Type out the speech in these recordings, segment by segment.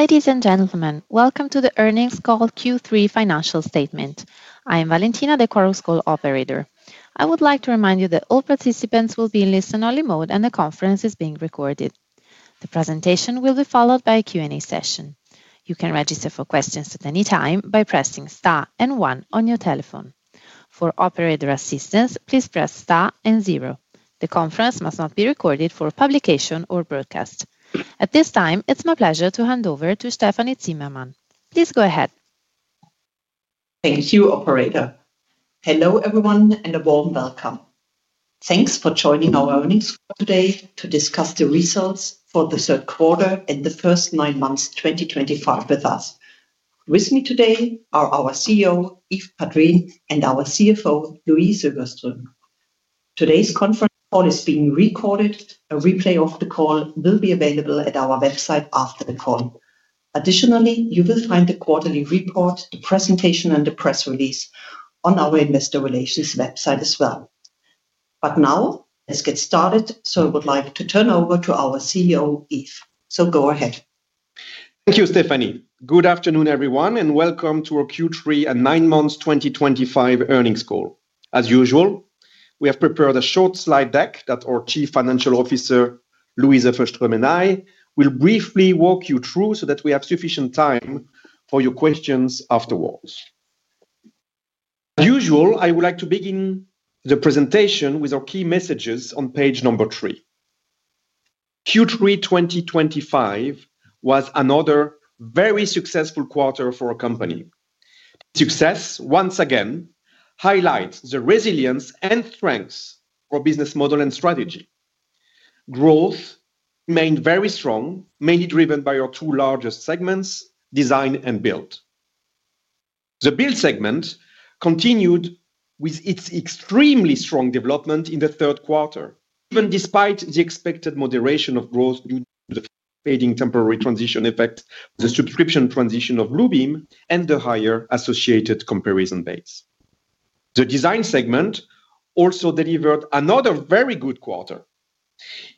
Ladies and gentlemen, welcome to the earnings call Q3 financial statement. I am Valentina, the Chorus Call operator. I would like to remind you that all participants will be in listen-only mode and the conference is being recorded. The presentation will be followed by a Q&A session. You can register for questions at any time by pressing star and one on your telephone. For operator assistance, please press star and zero. The conference must not be recorded for publication or broadcast. At this time, it's my pleasure to hand over to Stefanie Zimmermann. Please go ahead. Thank you, operator. Hello everyone and a warm welcome. Thanks for joining our earnings call today to discuss the results for the third quarter and the first nine months 2025 with us. With me today are our CEO, Yves Padrines, and our CFO, Louise Öfverström. Today's conference call is being recorded. A replay of the call will be available at our website after the call. Additionally, you will find the quarterly report, the presentation, and the press release on our investor relations website as well. But now, let's get started. I would like to turn over to our CEO, Yves. Go ahead. Thank you, Stefanie. Good afternoon, everyone, and welcome to our Q3 and nine months 2025 earnings call. As usual, we have prepared a short slide deck that our Chief Financial Officer, Louise Öfverström, and I will briefly walk you through so that we have sufficient time for your questions afterwards. As usual, I would like to begin the presentation with our key messages on page number three. Q3 2025 was another very successful quarter for our company. Success, once again, highlights the resilience and strengths of our business model and strategy. Growth remained very strong, mainly driven by our two largest segments, Design and Build. The Build segment continued with its extremely strong development in the third quarter, even despite the expected moderation of growth due to the fading temporary transition effect, the subscription transition of Bluebeam, and the higher associated comparison base. The design segment also delivered another very good quarter.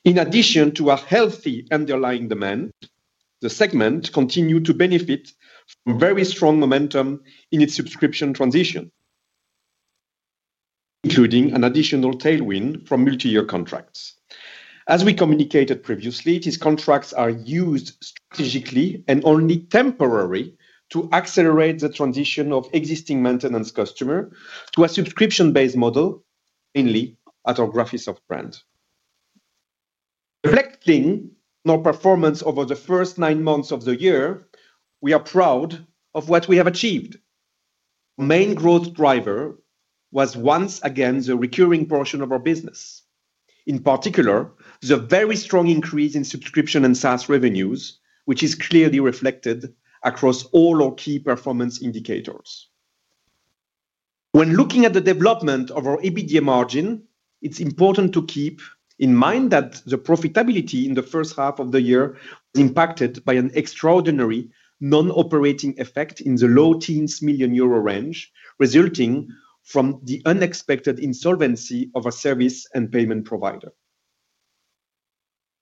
In addition to a healthy underlying demand, the segment continued to benefit from very strong momentum in its subscription transition. Including an additional tailwind from multi-year contracts. As we communicated previously, these contracts are used strategically and only temporarily to accelerate the transition of existing maintenance customers to a subscription-based model, mainly at our Graphisoft brand. Reflecting on our performance over the first nine months of the year, we are proud of what we have achieved. Our main growth driver was once again the recurring portion of our business. In particular, the very strong increase in subscription and SaaS revenues, which is clearly reflected across all our key performance indicators. When looking at the development of our EBITDA margin, it's important to keep in mind that the profitability in the first half of the year was impacted by an extraordinary non-operating effect in the low teens million euro range, resulting from the unexpected insolvency of a service and payment provider.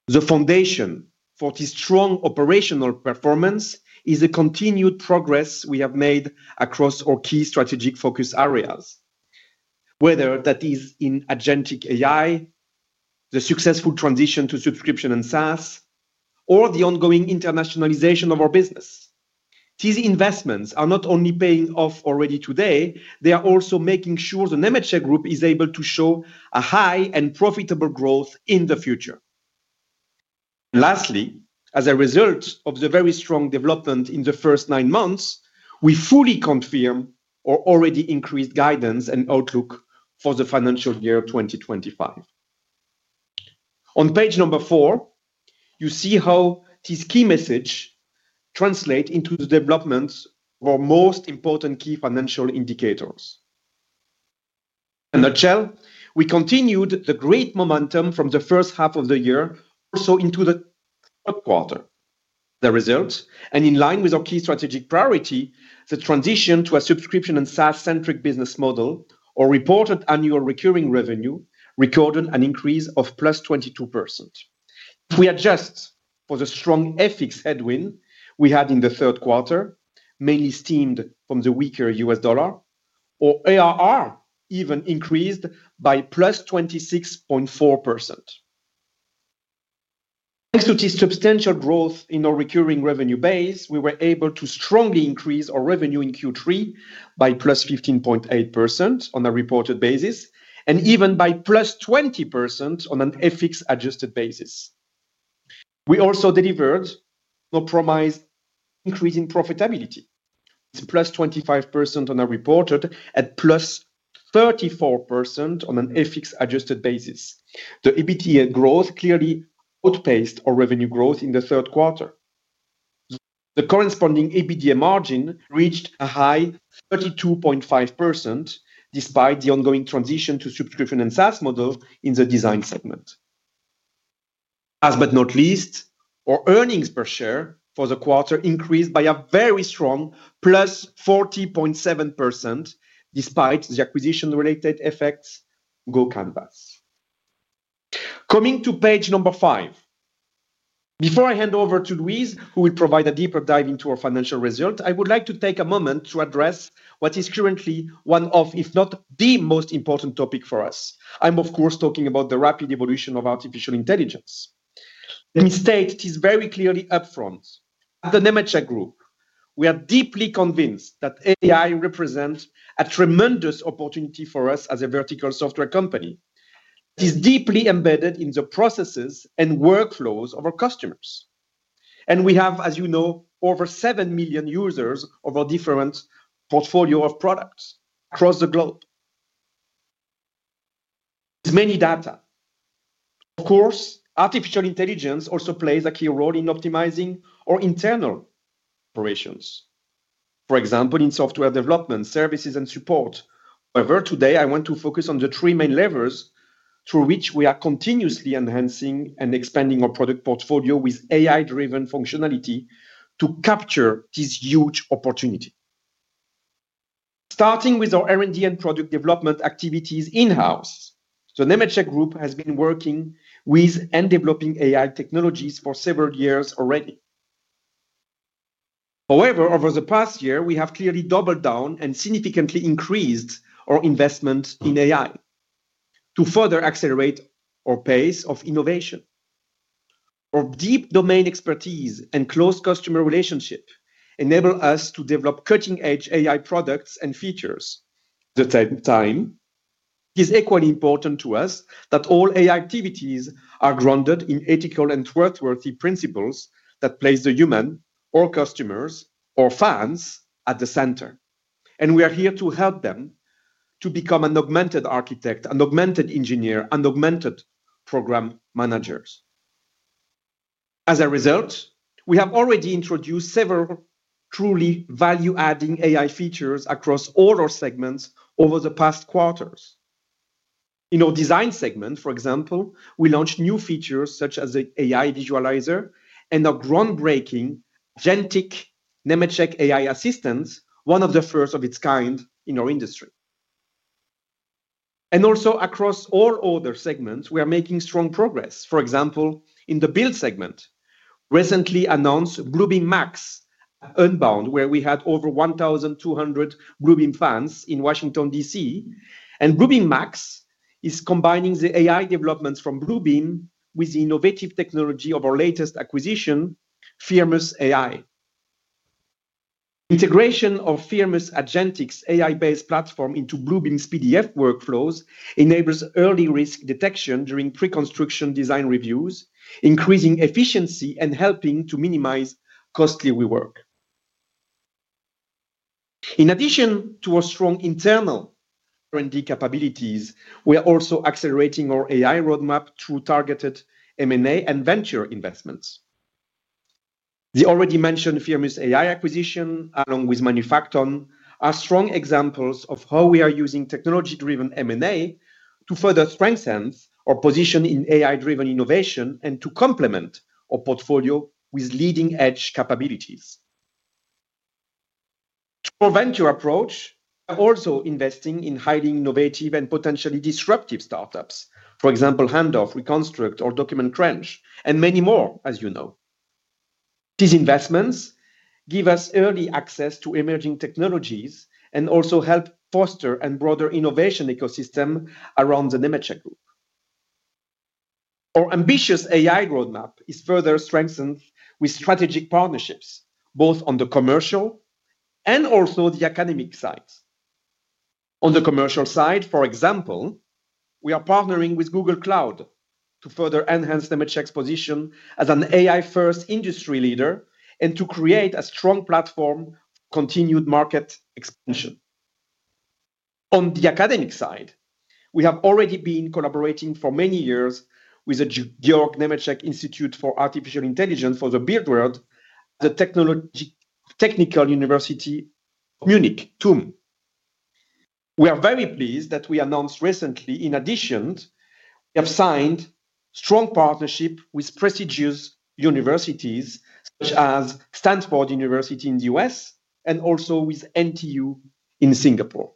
The foundation for this strong operational performance is the continued progress we have made across our key strategic focus areas. Whether that is in AI. The successful transition to subscription and SaaS, or the ongoing internationalization of our business. These investments are not only paying off already today, they are also making sure the Nemetschek Group is able to show a high and profitable growth in the future. Lastly, as a result of the very strong development in the first nine months, we fully confirm our already increased guidance and outlook for the financial year 2025. On page number four, you see how this key message translates into the development of our most important key financial indicators. In a nutshell, we continued the great momentum from the first half of the year also into the third quarter. The result, and in line with our key strategic priority, the transition to a subscription and SaaS-centric business model, or reported annual recurring revenue, recorded an increase of +22%. If we adjust for the strong FX headwind we had in the third quarter, mainly stemmed from the weaker U.S. dollar, our ARR even increased by +26.4%. Thanks to this substantial growth in our recurring revenue base, we were able to strongly increase our revenue in Q3 by +15.8% on a reported basis, and even by +20% on an FX-adjusted basis. We also delivered a compromised increase in profitability, +25% on a reported and +34% on an FX-adjusted basis. The EBITDA growth clearly outpaced our revenue growth in the third quarter. The corresponding EBITDA margin reached a high, 32.5%. Despite the ongoing transition to subscription and SaaS model in the Design segment. Last but not least, our earnings per share for the quarter increased by a very strong +40.7%. Despite the acquisition-related effects of GoCanvas. Coming to page number five. Before I hand over to Louise, who will provide a deeper dive into our financial result, I would like to take a moment to address what is currently one of, if not the most important topic for us. I'm, of course, talking about the rapid evolution of artificial intelligence. Let me state this very clearly upfront. At the Nemetschek Group, we are deeply convinced that AI represents a tremendous opportunity for us as a vertical software company. That is deeply embedded in the processes and workflows of our customers. We have, as you know, over 7 million users of our different portfolios of products across the globe. There's many data. Of course, artificial intelligence also plays a key role in optimizing our internal operations. For example, in software development services and support. However, today I want to focus on the three main levers through which we are continuously enhancing and expanding our product portfolio with AI-driven functionality to capture this huge opportunity. Starting with our R&D and product development activities in-house, the Nemetschek Group has been working with and developing AI technologies for several years already. However, over the past year, we have clearly doubled down and significantly increased our investment in AI. To further accelerate our pace of innovation. Our deep domain expertise and close customer relationship enable us to develop cutting-edge AI products and features. At the same time, it is equally important to us that all AI activities are grounded in ethical and worthwhile principles that place the human, our customers, our fans at the center. We are here to help them to become an augmented architect, an augmented engineer, and augmented program managers. As a result, we have already introduced several truly value-adding AI features across all our segments over the past quarters. In our Design segment, for example, we launched new features such as the AI Visualizer and our groundbreaking [gentic] Nemetschek AI Assistant, one of the first of its kind in our industry. Also, across all other segments, we are making strong progress. For example, in the Build segment. Recently announced Bluebeam Max Unbound, where we had over 1,200 Bluebeam fans in Washington, DC. Bluebeam Max is combining the AI developments from Bluebeam with the innovative technology of our latest acquisition, Firmus AI. Integration of Firmus AI's AI-based platform into Bluebeam's PDF workflows enables early risk detection during pre-construction design reviews, increasing efficiency and helping to minimize costly rework. In addition to our strong internal R&D capabilities, we are also accelerating our AI roadmap through targeted M&A and venture investments. The already mentioned Firmus AI acquisition, along with Manufacton, are strong examples of how we are using technology-driven M&A to further strengthen our position in AI-driven innovation and to complement our portfolio with leading-edge capabilities. To our venture approach, we are also investing in highly innovative and potentially disruptive startups, for example, Handoff, Reconstruct, or Document Crunch, and many more, as you know. These investments give us early access to emerging technologies and also help foster a broader innovation ecosystem around the Nemetschek. Our ambitious AI roadmap is further strengthened with strategic partnerships, both on the commercial and also the academic sides. On the commercial side, for example, we are partnering with Google Cloud to further enhance Nemetschek's position as an AI-first industry leader and to create a strong platform for continued market expansion. On the academic side, we have already been collaborating for many years with the Georg Nemetschek Institute for Artificial Intelligence for the Built World, the Technical University of Munich, TUM. We are very pleased that we announced recently, in addition, we have signed a strong partnership with prestigious universities such as Stanford University in the U.S. and also with NTU in Singapore.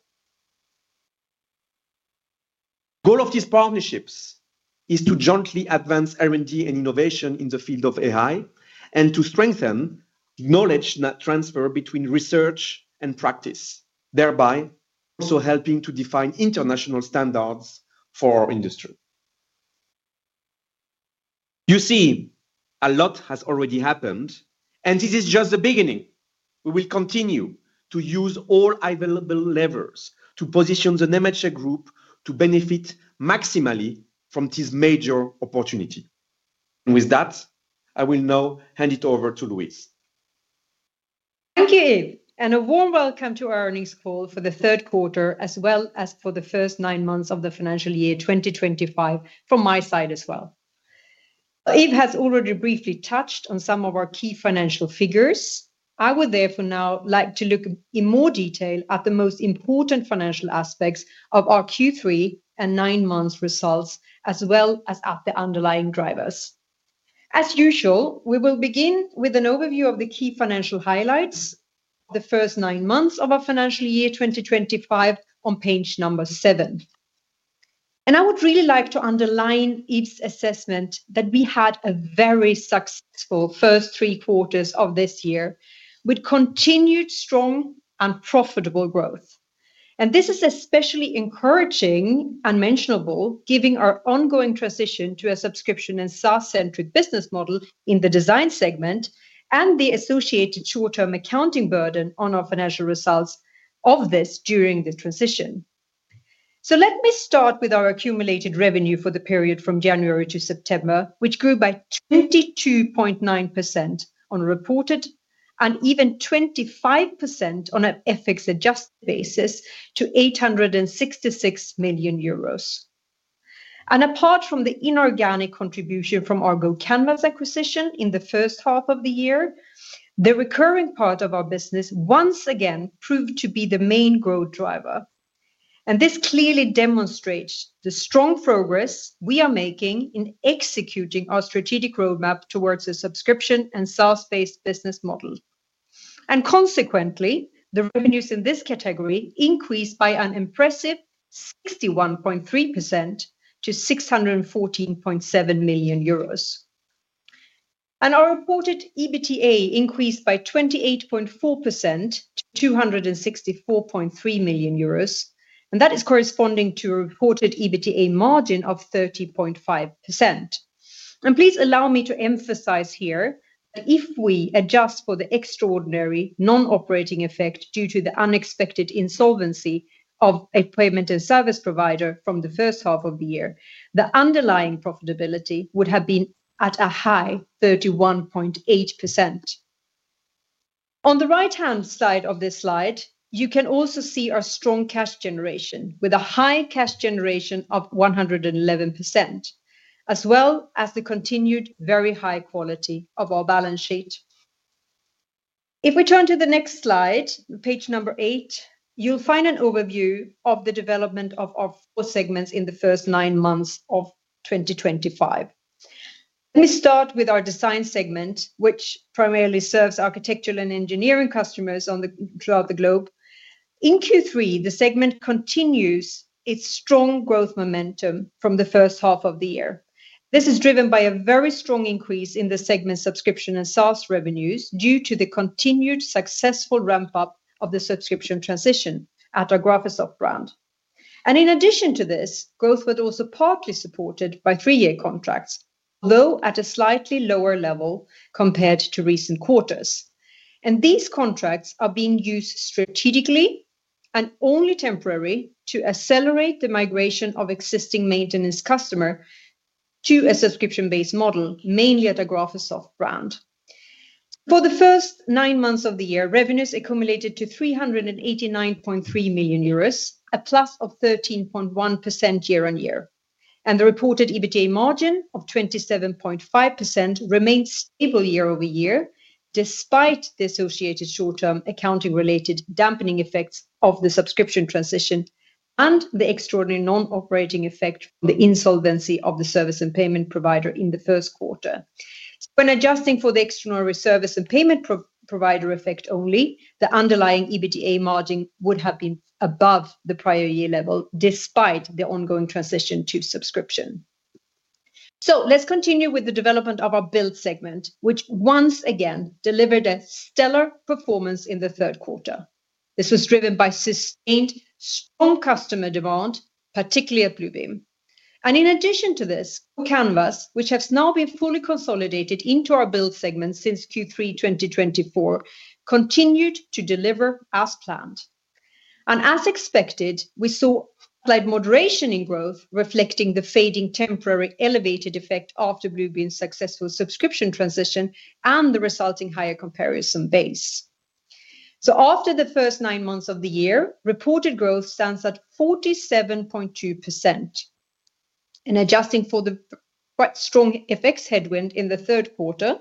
The goal of these partnerships is to jointly advance R&D and innovation in the field of AI and to strengthen knowledge transfer between research and practice, thereby also helping to define international standards for our industry. You see, a lot has already happened, and this is just the beginning. We will continue to use all available levers to position the Nemetschek Group to benefit maximally from this major opportunity. With that, I will now hand it over to Louise. Thank you, Yves. A warm welcome to our earnings call for the third quarter, as well as for the first nine months of the financial year 2025 from my side as well. Yves has already briefly touched on some of our key financial figures. I would therefore now like to look in more detail at the most important financial aspects of our Q3 and nine months results, as well as at the underlying drivers. As usual, we will begin with an overview of the key financial highlights of the first nine months of our financial year 2025 on page number seven. I would really like to underline Yves' assessment that we had a very successful first three quarters of this year with continued strong and profitable growth. This is especially encouraging and mentionable, given our ongoing transition to a subscription and SaaS-centric business model in the Design segment and the associated short-term accounting burden on our financial results of this during the transition. Let me start with our accumulated revenue for the period from January to September, which grew by 22.9% on a reported and even 25% on an FX-adjusted basis to 866 million euros. Apart from the inorganic contribution from our GoCanvas acquisition in the first half of the year, the recurring part of our business once again proved to be the main growth driver. This clearly demonstrates the strong progress we are making in executing our strategic roadmap towards a subscription and SaaS-based business model. Consequently, the revenues in this category increased by an impressive 61.3% to 614.7 million euros. Our reported EBITDA increased by 28.4% to 264.3 million euros. That is corresponding to a reported EBITDA margin of 30.5%. Please allow me to emphasize here that if we adjust for the extraordinary non-operating effect due to the unexpected insolvency of a payment and service provider from the first half of the year, the underlying profitability would have been at a high 31.8%. On the right-hand side of this slide, you can also see our strong cash generation with a high cash generation of 111%. As well as the continued very high quality of our balance sheet. If we turn to the next slide, page number eight, you'll find an overview of the development of our four segments in the first nine months of 2025. Let me start with our Design segment, which primarily serves architectural and engineering customers throughout the globe. In Q3, the segment continues its strong growth momentum from the first half of the year. This is driven by a very strong increase in the segment's subscription and SaaS revenues due to the continued successful ramp-up of the subscription transition at our Graphisoft brand. In addition to this, growth was also partly supported by three-year contracts, though at a slightly lower level compared to recent quarters. These contracts are being used strategically and only temporarily to accelerate the migration of existing maintenance customers to a subscription-based model, mainly at our Graphisoft brand. For the first nine months of the year, revenues accumulated to 389.3 million euros, a plus of 13.1% year-on-year. The reported EBITDA margin of 27.5% remained stable year-over-year despite the associated short-term accounting-related dampening effects of the subscription transition and the extraordinary non-operating effect from the insolvency of the service and payment provider in the first quarter. When adjusting for the extraordinary service and payment provider effect only, the underlying EBITDA margin would have been above the prior year level despite the ongoing transition to subscription. Let's continue with the development of our Build segment, which once again delivered a stellar performance in the third quarter. This was driven by sustained strong customer demand, particularly at Bluebeam. In addition to this, GoCanvas, which has now been fully consolidated into our Build segment since Q3 2024, continued to deliver as planned. As expected, we saw slight moderation in growth, reflecting the fading temporary elevated effect after Bluebeam's successful subscription transition and the resulting higher comparison base. After the first nine months of the year, reported growth stands at 47.2%. Adjusting for the quite strong FX headwind in the third quarter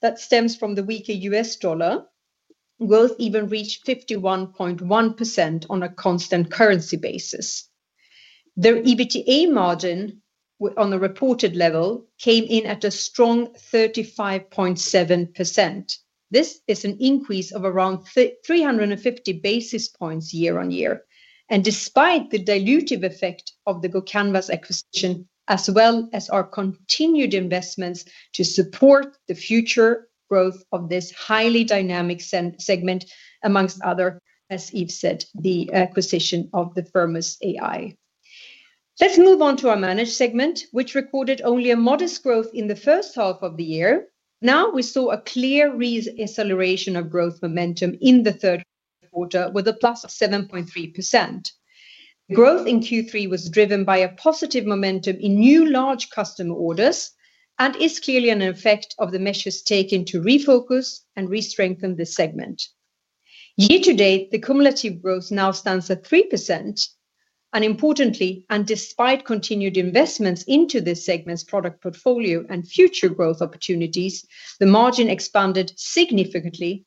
that stems from the weaker U.S. dollar, growth even reached 51.1% on a constant currency basis. Their EBITDA margin on the reported level came in at a strong 35.7%. This is an increase of around 350 basis points year-on-year. Despite the dilutive effect of the GoCanvas acquisition, as well as our continued investments to support the future growth of this highly dynamic segment, amongst others, as Yves said, the acquisition of the Firmus AI. Let's move on to our Manage segment, which recorded only a modest growth in the first half of the year. Now we saw a clear re-acceleration of growth momentum in the third quarter with a plus of 7.3%. Growth in Q3 was driven by a positive momentum in new large customer orders and is clearly an effect of the measures taken to refocus and re-strengthen this segment. Year-to-date, the cumulative growth now stands at 3%. Importantly, despite continued investments into this segment's product portfolio and future growth opportunities, the margin expanded significantly.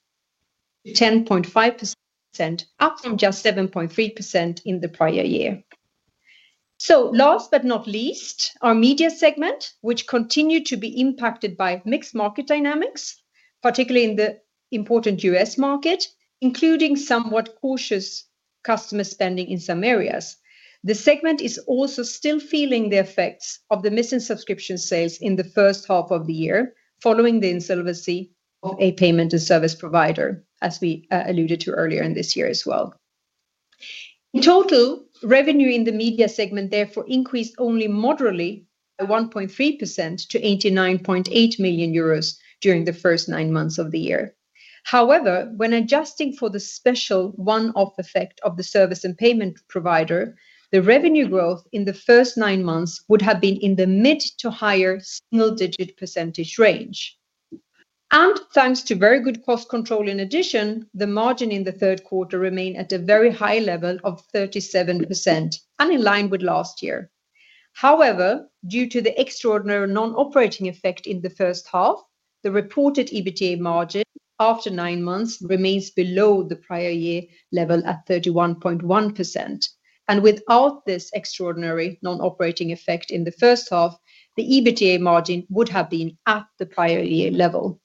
To 10.5%, up from just 7.3% in the prior year. Last but not least, our Media segment, which continued to be impacted by mixed market dynamics, particularly in the important U.S. market, including somewhat cautious customer spending in some areas. The segment is also still feeling the effects of the missing subscription sales in the first half of the year following the insolvency of a payment and service provider, as we alluded to earlier in this year as well. In total, revenue in the Media segment therefore increased only moderately by 1.3% to 89.8 million euros during the first nine months of the year. However, when adjusting for the special one-off effect of the service and payment provider, the revenue growth in the first nine months would have been in the mid to higher single-digit percentage range. Thanks to very good cost control in addition, the margin in the third quarter remained at a very high level of 37% and in line with last year. However, due to the extraordinary non-operating effect in the first half, the reported EBITDA margin after nine months remains below the prior year level at 31.1%. Without this extraordinary non-operating effect in the first half, the EBITDA margin would have been at the prior year level.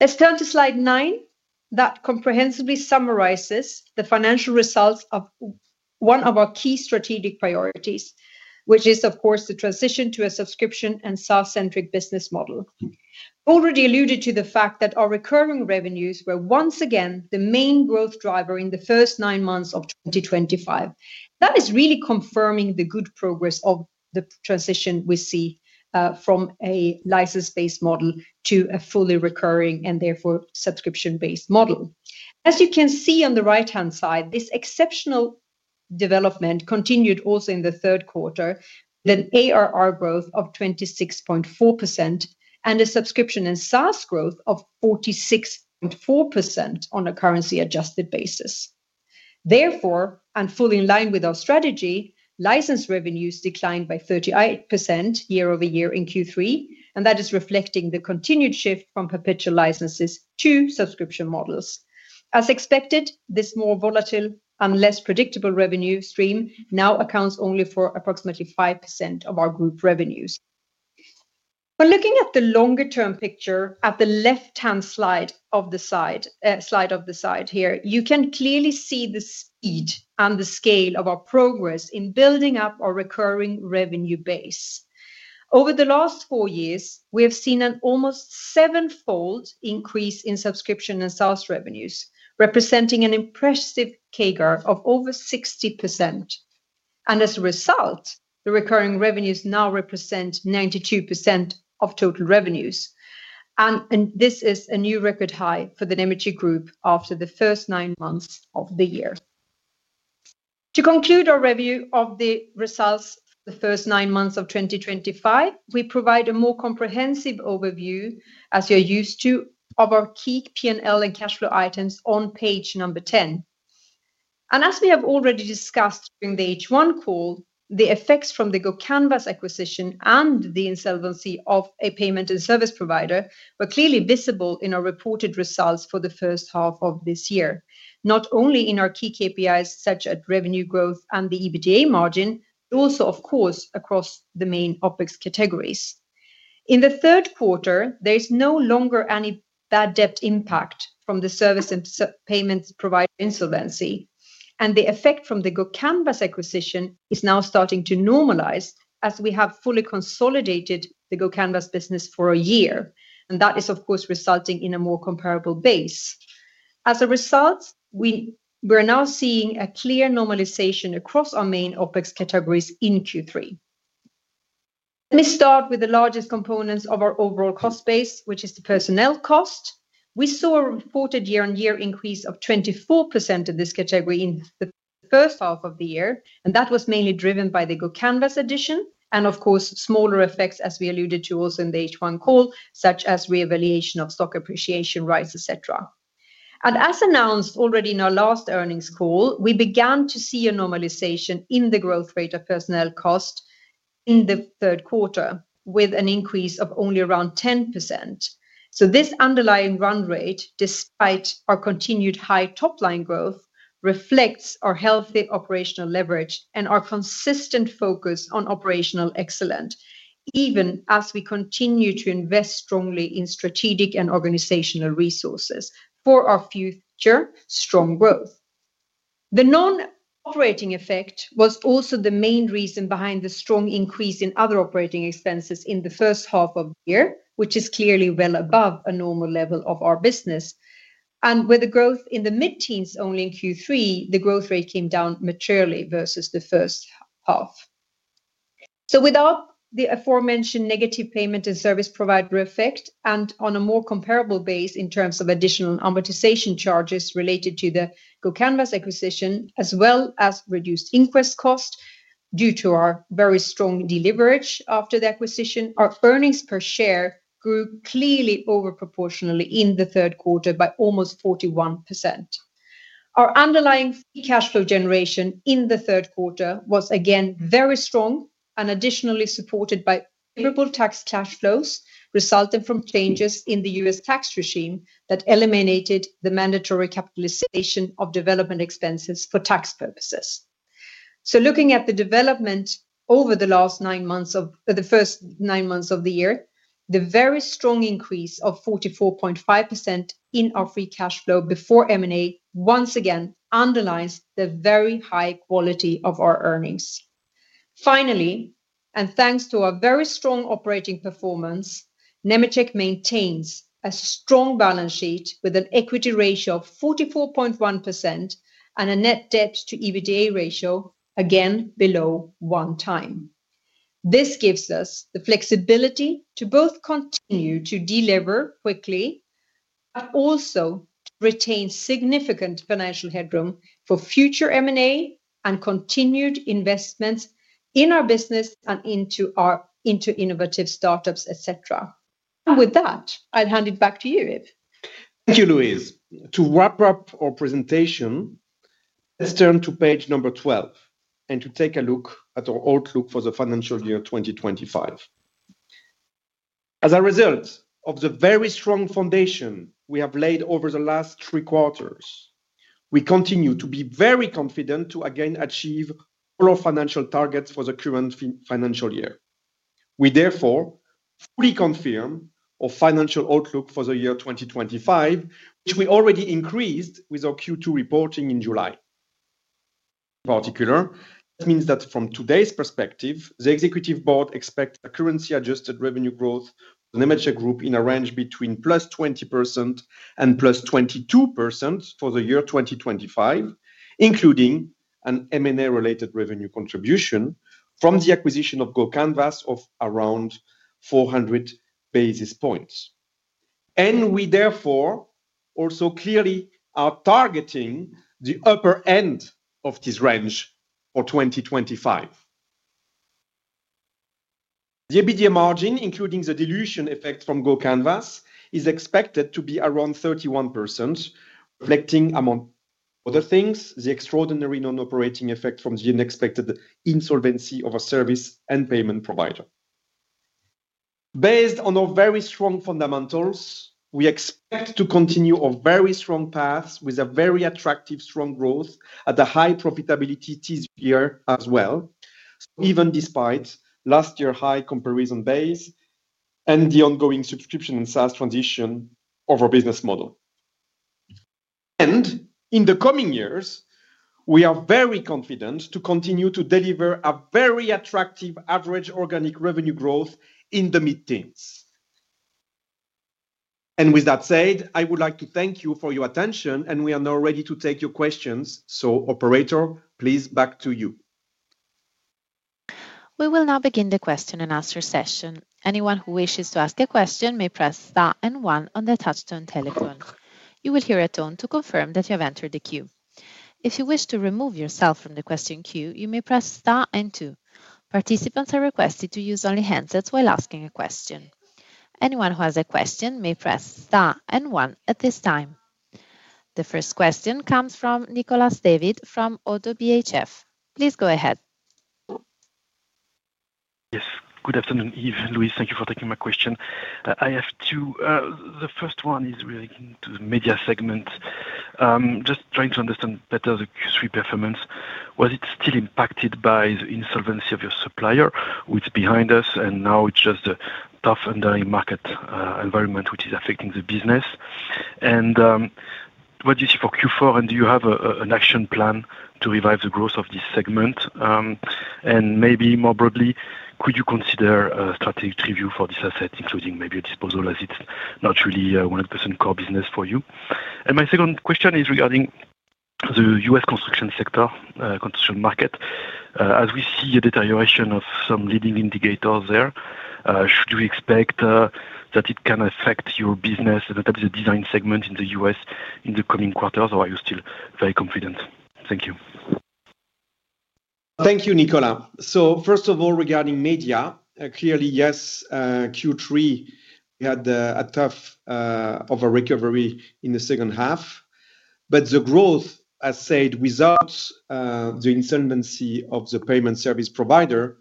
Let's turn to slide nine that comprehensively summarizes the financial results of one of our key strategic priorities, which is, of course, the transition to a subscription and SaaS-centric business model. I already alluded to the fact that our recurring revenues were once again the main growth driver in the first nine months of 2025. That is really confirming the good progress of the transition we see from a license-based model to a fully recurring and therefore subscription-based model. As you can see on the right-hand side, this exceptional development continued also in the third quarter with an ARR growth of 26.4% and a subscription and SaaS growth of 46.4% on a currency-adjusted basis. Therefore, and fully in line with our strategy, license revenues declined by 38% year-over-year in Q3, and that is reflecting the continued shift from perpetual licenses to subscription models. As expected, this more volatile and less predictable revenue stream now accounts only for approximately 5% of our group revenues. When looking at the longer-term picture at the left-hand slide of the slide here, you can clearly see the speed and the scale of our progress in building up our recurring revenue base. Over the last four years, we have seen an almost seven-fold increase in subscription and SaaS revenues, representing an impressive CAGR of over 60%. As a result, the recurring revenues now represent 92% of total revenues. This is a new record high for the Nemetschek Group after the first nine months of the year. To conclude our review of the results for the first nine months of 2025, we provide a more comprehensive overview, as you're used to, of our key P&L and cash flow items on page number 10. As we have already discussed during the H1 call, the effects from the GoCanvas acquisition and the insolvency of a payment and service provider were clearly visible in our reported results for the first half of this year, not only in our key KPIs such as revenue growth and the EBITDA margin, but also, of course, across the main OpEx categories. In the third quarter, there is no longer any bad debt impact from the service and payment provider insolvency, and the effect from the GoCanvas acquisition is now starting to normalize as we have fully consolidated the GoCanvas business for a year. That is, of course, resulting in a more comparable base. As a result, we're now seeing a clear normalization across our main OpEx categories in Q3. Let me start with the largest components of our overall cost base, which is the personnel cost. We saw a reported year-on-year increase of 24% of this category in the first half of the year, and that was mainly driven by the GoCanvas addition and, of course, smaller effects, as we alluded to also in the H1 call, such as re-evaluation of stock appreciation rights, etc. As announced already in our last earnings call, we began to see a normalization in the growth rate of personnel cost in the third quarter with an increase of only around 10%. This underlying run rate, despite our continued high top-line growth, reflects our healthy operational leverage and our consistent focus on operational excellence, even as we continue to invest strongly in strategic and organizational resources for our future strong growth. The non-operating effect was also the main reason behind the strong increase in other operating expenses in the first half of the year, which is clearly well above a normal level of our business. With the growth in the mid-teens only in Q3, the growth rate came down materially versus the first half. Without the aforementioned negative payment and service provider effect and on a more comparable base in terms of additional amortization charges related to the GoCanvas acquisition, as well as reduced inquest cost due to our very strong deleverage after the acquisition, our earnings per share grew clearly overproportionally in the third quarter by almost 41%. Our underlying cash flow generation in the third quarter was again very strong and additionally supported by favorable tax cash flows resulting from changes in the U.S. tax regime that eliminated the mandatory capitalization of development expenses for tax purposes. Looking at the development over the last nine months of the first nine months of the year, the very strong increase of 44.5% in our free cash flow before M&A once again underlines the very high quality of our earnings. Finally, and thanks to our very strong operating performance, Nemetschek maintains a strong balance sheet with an equity ratio of 44.1% and a net debt to EBITDA ratio again below one time. This gives us the flexibility to both continue to deliver quickly but also to retain significant financial headroom for future M&A and continued investments in our business and into our innovative startups, etc. With that, I'd hand it back to you, Yves. Thank you, Louise. To wrap up our presentation. Let's turn to page number 12 and to take a look at our outlook for the financial year 2025. As a result of the very strong foundation we have laid over the last three quarters, we continue to be very confident to again achieve all our financial targets for the current financial year. We therefore fully confirm our financial outlook for the year 2025, which we already increased with our Q2 reporting in July. In particular, that means that from today's perspective, the executive board expects a currency-adjusted revenue growth for the Nemetschek Group in a range between 20% and 22% for the year 2025, including an M&A-related revenue contribution from the acquisition of GoCanvas of around 400 basis points. We therefore also clearly are targeting the upper end of this range for 2025. The EBITDA margin, including the dilution effect from GoCanvas, is expected to be around 31%. Reflecting, among other things, the extraordinary non-operating effect from the unexpected insolvency of a service and payment provider. Based on our very strong fundamentals, we expect to continue our very strong path with a very attractive strong growth at a high profitability this year as well, even despite last year's high comparison base and the ongoing subscription and SaaS transition of our business model. In the coming years, we are very confident to continue to deliver a very attractive average organic revenue growth in the mid-teens. With that said, I would like to thank you for your attention, and we are now ready to take your questions. So, operator, please, back to you. We will now begin the question and answer session. Anyone who wishes to ask a question may press star and one on the touchstone telephone. You will hear a tone to confirm that you have entered the queue. If you wish to remove yourself from the question queue, you may press star and two. Participants are requested to use only handsets while asking a question. Anyone who has a question may press star and one at this time. The first question comes from Nicolas David from ODDO BHF. Please go ahead. Yes, good afternoon, Yves. Louise, thank you for taking my question. I have two. The first one is relating to the Media segment. Just trying to understand better the Q3 performance. Was it still impacted by the insolvency of your supplier, which is behind us, and now it's just a tough underlying market environment, which is affecting the business? What do you see for Q4, and do you have an action plan to revive the growth of this segment? Maybe more broadly, could you consider a strategic review for this asset, including maybe a disposal as it's not really 100% core business for you? My second question is regarding the U.S. construction sector, construction market. As we see a deterioration of some leading indicators there, should we expect that it can affect your business and the Design segment in the U.S. in the coming quarters, or are you still very confident? Thank you. Thank you, Nicolas. First of all, regarding Media, clearly, yes, Q3 had a tough recovery in the second half. The growth, as said, without the insolvency of the payment service provider,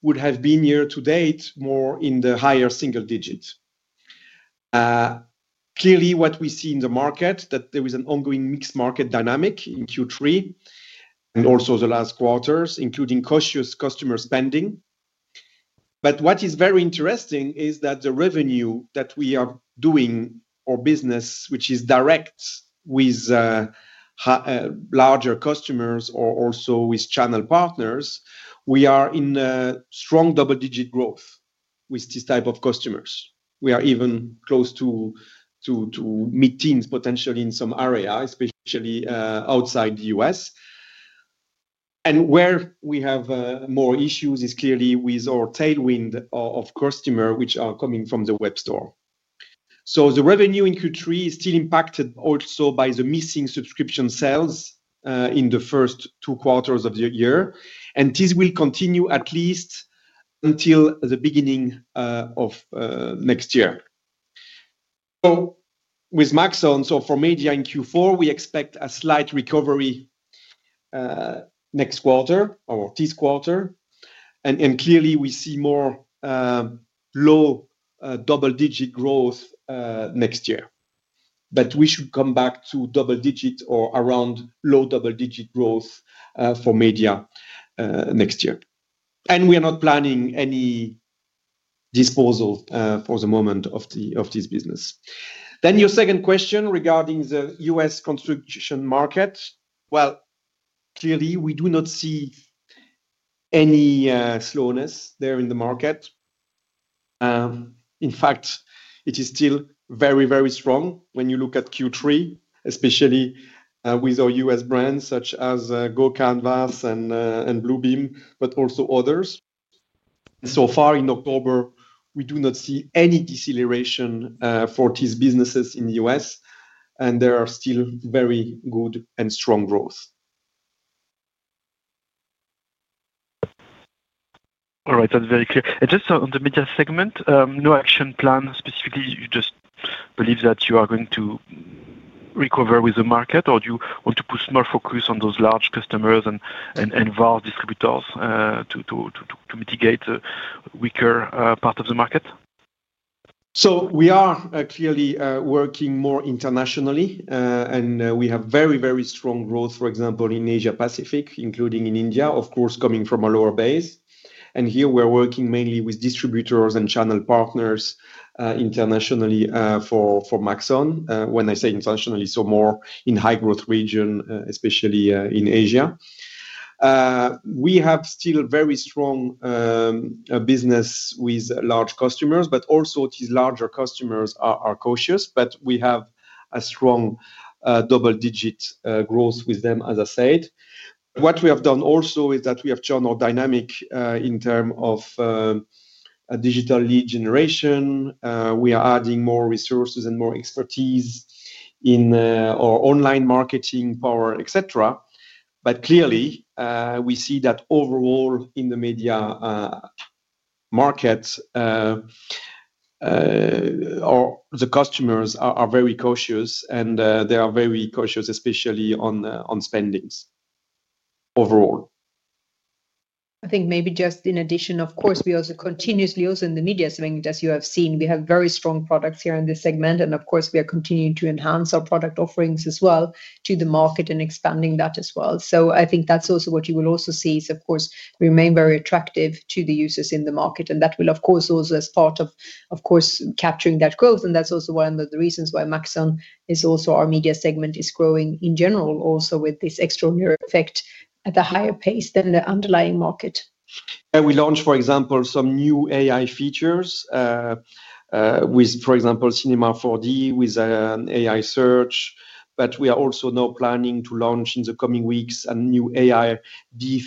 would have been year to date more in the higher single digits. Clearly, what we see in the market is that there is an ongoing mixed market dynamic in Q3 and also the last quarters, including cautious customer spending. What is very interesting is that the revenue that we are doing, our business, which is direct with larger customers or also with channel partners, we are in strong double-digit growth with this type of customers. We are even close to mid-teens potentially in some area, especially outside the U.S. Where we have more issues is clearly with our tailwind of customers, which are coming from the web store. The revenue in Q3 is still impacted also by the missing subscription sales in the first two quarters of the year, and this will continue at least until the beginning of next year. With Maxon, for Media in Q4, we expect a slight recovery next quarter or this quarter. Clearly, we see more low double-digit growth next year. We should come back to double-digit or around low double-digit growth for Media next year. We are not planning any disposal for the moment of this business. Your second question regarding the U.S. construction market. Clearly, we do not see any slowness there in the market. In fact, it is still very, very strong when you look at Q3, especially with our U.S. brands such as GoCanvas and Bluebeam, but also others. So far, in October, we do not see any deceleration for these businesses in the U.S., and they are still very good and strong growth. All right, that's very clear. Just on the Media segment, no action plan specifically. You just believe that you are going to recover with the market, or do you want to put more focus on those large customers and vast distributors to mitigate the weaker part of the market? We are clearly working more internationally, and we have very, very strong growth, for example, in Asia-Pacific, including in India, of course, coming from a lower base. Here, we're working mainly with distributors and channel partners internationally for Maxon. When I say internationally, it's more in high-growth region, especially in Asia. We have still very strong business with large customers, but also these larger customers are cautious, but we have a strong double-digit growth with them, as I said. What we have done also is that we have turned our dynamic in terms of digital lead generation. We are adding more resources and more expertise in our online marketing power, etc. Clearly, we see that overall in the media market, the customers are very cautious, and they are very cautious, especially on spendings overall. I think maybe just in addition, of course, we also continuously, also in the Media segment, as you have seen, we have very strong products here in this segment, and of course, we are continuing to enhance our product offerings as well to the market and expanding that as well. I think that's also what you will also see is, of course, remain very attractive to the users in the market, and that will, of course, also as part of, of course, capturing that growth. That's also one of the reasons why Maxon is also our Media segment is growing in general, also with this extraordinary effect at a higher pace than the underlying market. We launched, for example, some new AI features with, for example, Cinema 4D with an AI search. We are also now planning to launch in the coming weeks a new AI deep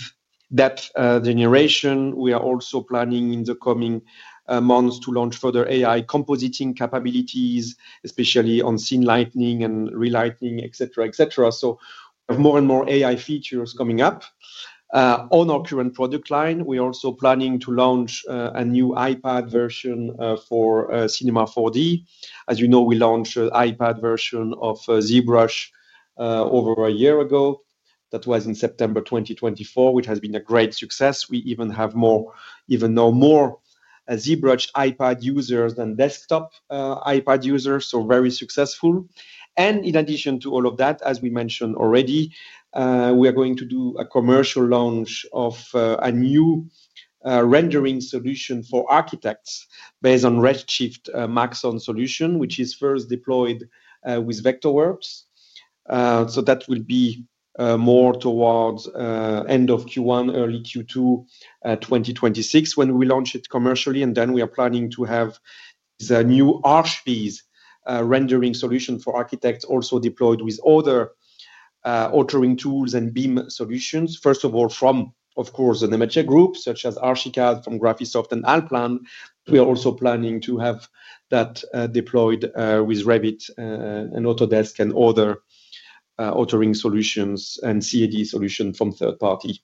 depth generation. We are also planning in the coming months to launch further AI compositing capabilities, especially on scene lightning and relighting, etc., etc. We have more and more AI features coming up on our current product line, we are also planning to launch a new iPad version for Cinema 4D. As you know, we launched an iPad version of ZBrush over a year ago. That was in September 2024, which has been a great success. We even have more, even now more ZBrush iPad users than desktop iPad users, so very successful. In addition to all of that, as we mentioned already, we are going to do a commercial launch of a new rendering solution for architects based on Redshift Maxon solution, which is first deployed with Vectorworks. That will be more towards end of Q1, early Q2 2026 when we launch it commercially. Then we are planning to have the new [ArchViz] rendering solution for architects also deployed with other authoring tools and BIM solutions. First of all, from, of course, the Nemetschek Group, such as Archicad, from Graphisoft, and ALLPLAN, we are also planning to have that deployed with Revit and Autodesk and other authoring solutions and CAD solution from third party.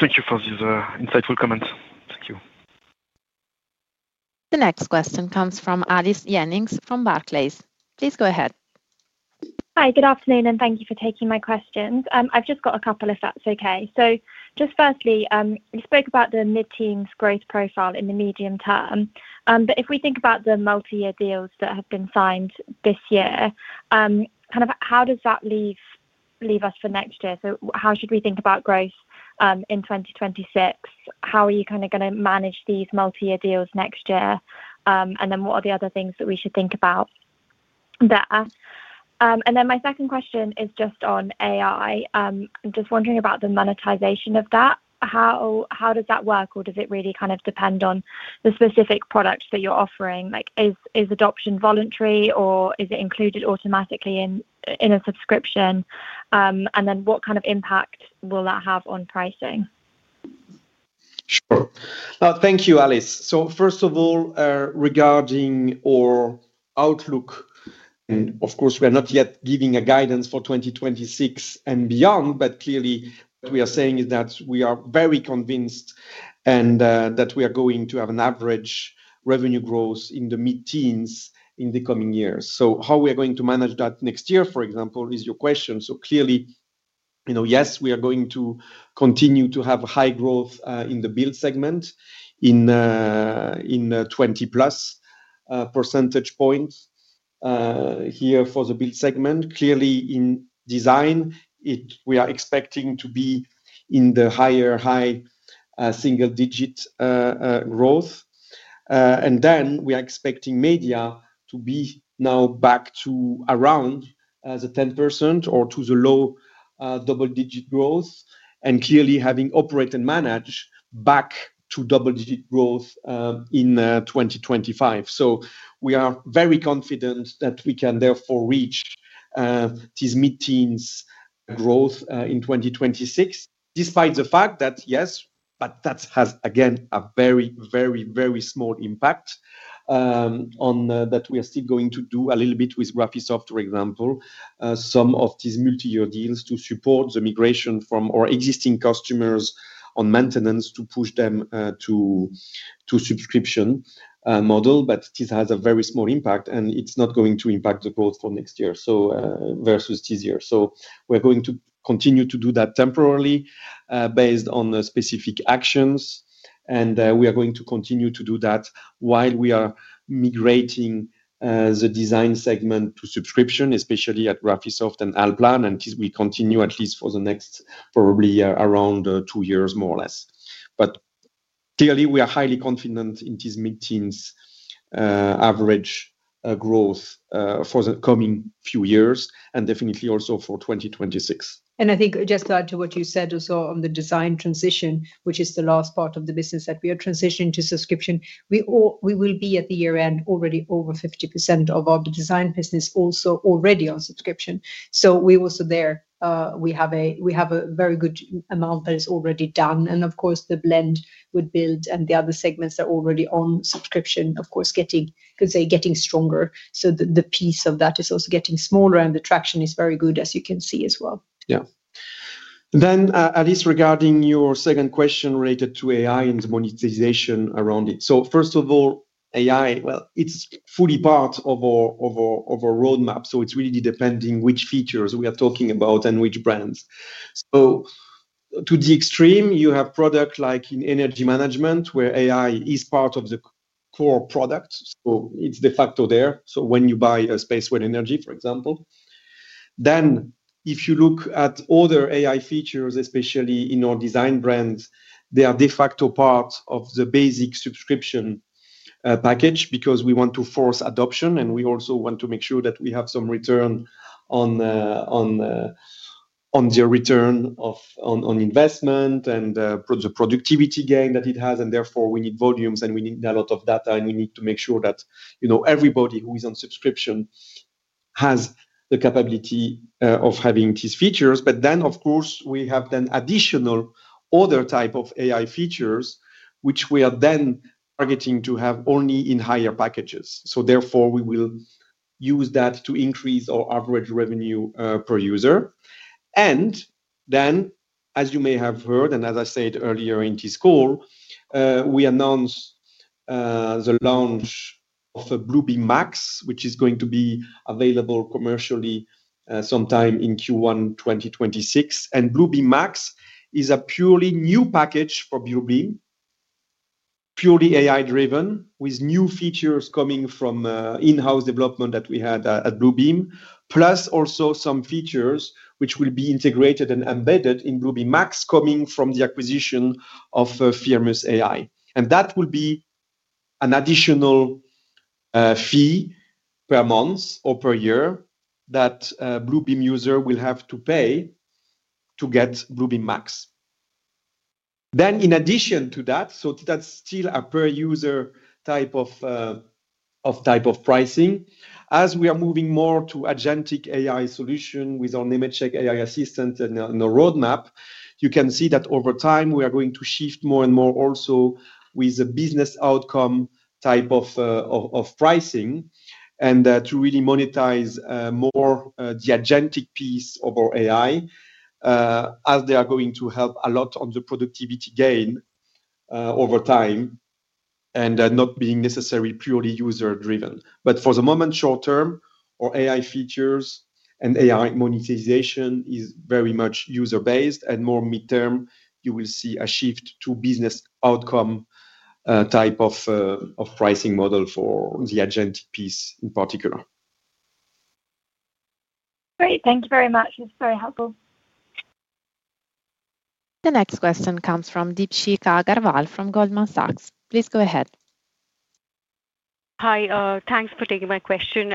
Thank you for these insightful comments. Thank you. The next question comes from Alice Jennings from Barclays. Please go ahead. Hi, good afternoon, and thank you for taking my questions. I've just got a couple of thoughts, okay? Just firstly, you spoke about the mid-teens growth profile in the medium term. If we think about the multi-year deals that have been signed this year, kind of how does that leave us for next year? How should we think about growth in 2026? How are you kind of going to manage these multi-year deals next year? What are the other things that we should think about there? My second question is just on AI. I'm just wondering about the monetization of that. How does that work, or does it really kind of depend on the specific products that you're offering? Is adoption voluntary, or is it included automatically in a subscription? What kind of impact will that have on pricing? Sure. Thank you, Alice. First of all, regarding our outlook. Of course, we are not yet giving guidance for 2026 and beyond, but clearly, what we are saying is that we are very convinced that we are going to have an average revenue growth in the mid-teens in the coming years. How we are going to manage that next year, for example, is your question. Clearly, yes, we are going to continue to have high growth in the Build segment in 20+ percentage points here for the Build segment. Clearly, in Design, we are expecting to be in the higher high single digit growth. We are expecting Media to be now back to around 10% or to the low double-digit growth, and clearly having operated and managed back to double-digit growth in 2025. We are very confident that we can therefore reach these mid-teens growth in 2026, despite the fact that, yes, but that has, again, a very, very, very small impact. We are still going to do a little bit with Graphisoft, for example, some of these multi-year deals to support the migration from our existing customers on maintenance to push them to subscription model. This has a very small impact, and it's not going to impact the growth for next year versus this year. We are going to continue to do that temporarily based on specific actions. We are going to continue to do that while we are migrating the Design segment to subscription, especially at Graphisoft and ALLPLAN, and we continue at least for the next probably around two years, more or less. Clearly, we are highly confident in these mid-teens average growth for the coming few years and definitely also for 2026. I think just to add to what you said also on the design transition, which is the last part of the business that we are transitioning to subscription, we will be at the year-end already over 50% of all the Design business also already on subscription. We also there, we have a very good amount that is already done. Of course, the blend with Build and the other segments are already on subscription, of course, getting, I would say, getting stronger. The piece of that is also getting smaller, and the traction is very good, as you can see as well. Yeah. Alice, regarding your second question related to AI and the monetization around it. First of all, AI, well, it's fully part of our roadmap. It's really depending which features we are talking about and which brands. To the extreme, you have products like in energy management where AI is part of the core product. It's de facto there. When you buy a space for energy, for example. Then, if you look at other AI features, especially in our Design brands, they are de facto part of the basic subscription package because we want to force adoption, and we also want to make sure that we have some return on the return of investment and the productivity gain that it has. And therefore, we need volumes, and we need a lot of data, and we need to make sure that everybody who is on subscription has the capability of having these features. But then, of course, we have then additional other type of AI features, which we are then targeting to have only in higher packages. Therefore, we will use that to increase our average revenue per user. And then, as you may have heard, and as I said earlier in this call, we announced the launch of a Bluebeam Max, which is going to be available commercially sometime in Q1 2026. And Bluebeam Max is a purely new package for Bluebeam purely AI-driven, with new features coming from in-house development that we had at Bluebeam, plus also some features which will be integrated and embedded in Bluebeam Max coming from the acquisition of Firmus AI. And that will be an additional fee per month or per year that Bluebeam user will have to pay to get Bluebeam Max. Then, in addition to that, that's still a per user type of type of pricing. As we are moving more to agentic AI solution with our Nemetschek AI Assistant and our roadmap, you can see that over time we are going to shift more and more also with the business outcome type of pricing and to really monetize more the agentic piece of our AI as they are going to help a lot on the productivity gain over time and not being necessarily purely user-driven. But for the moment, short term, our AI features and AI monetization is very much user-based. And more mid-term, you will see a shift to business outcome type of pricing model for the agentic piece in particular. Great. Thank you very much. It's very helpful. The next question comes from Deepshikha Agarwal from Goldman Sachs. Please go ahead. Hi, thanks for taking my question.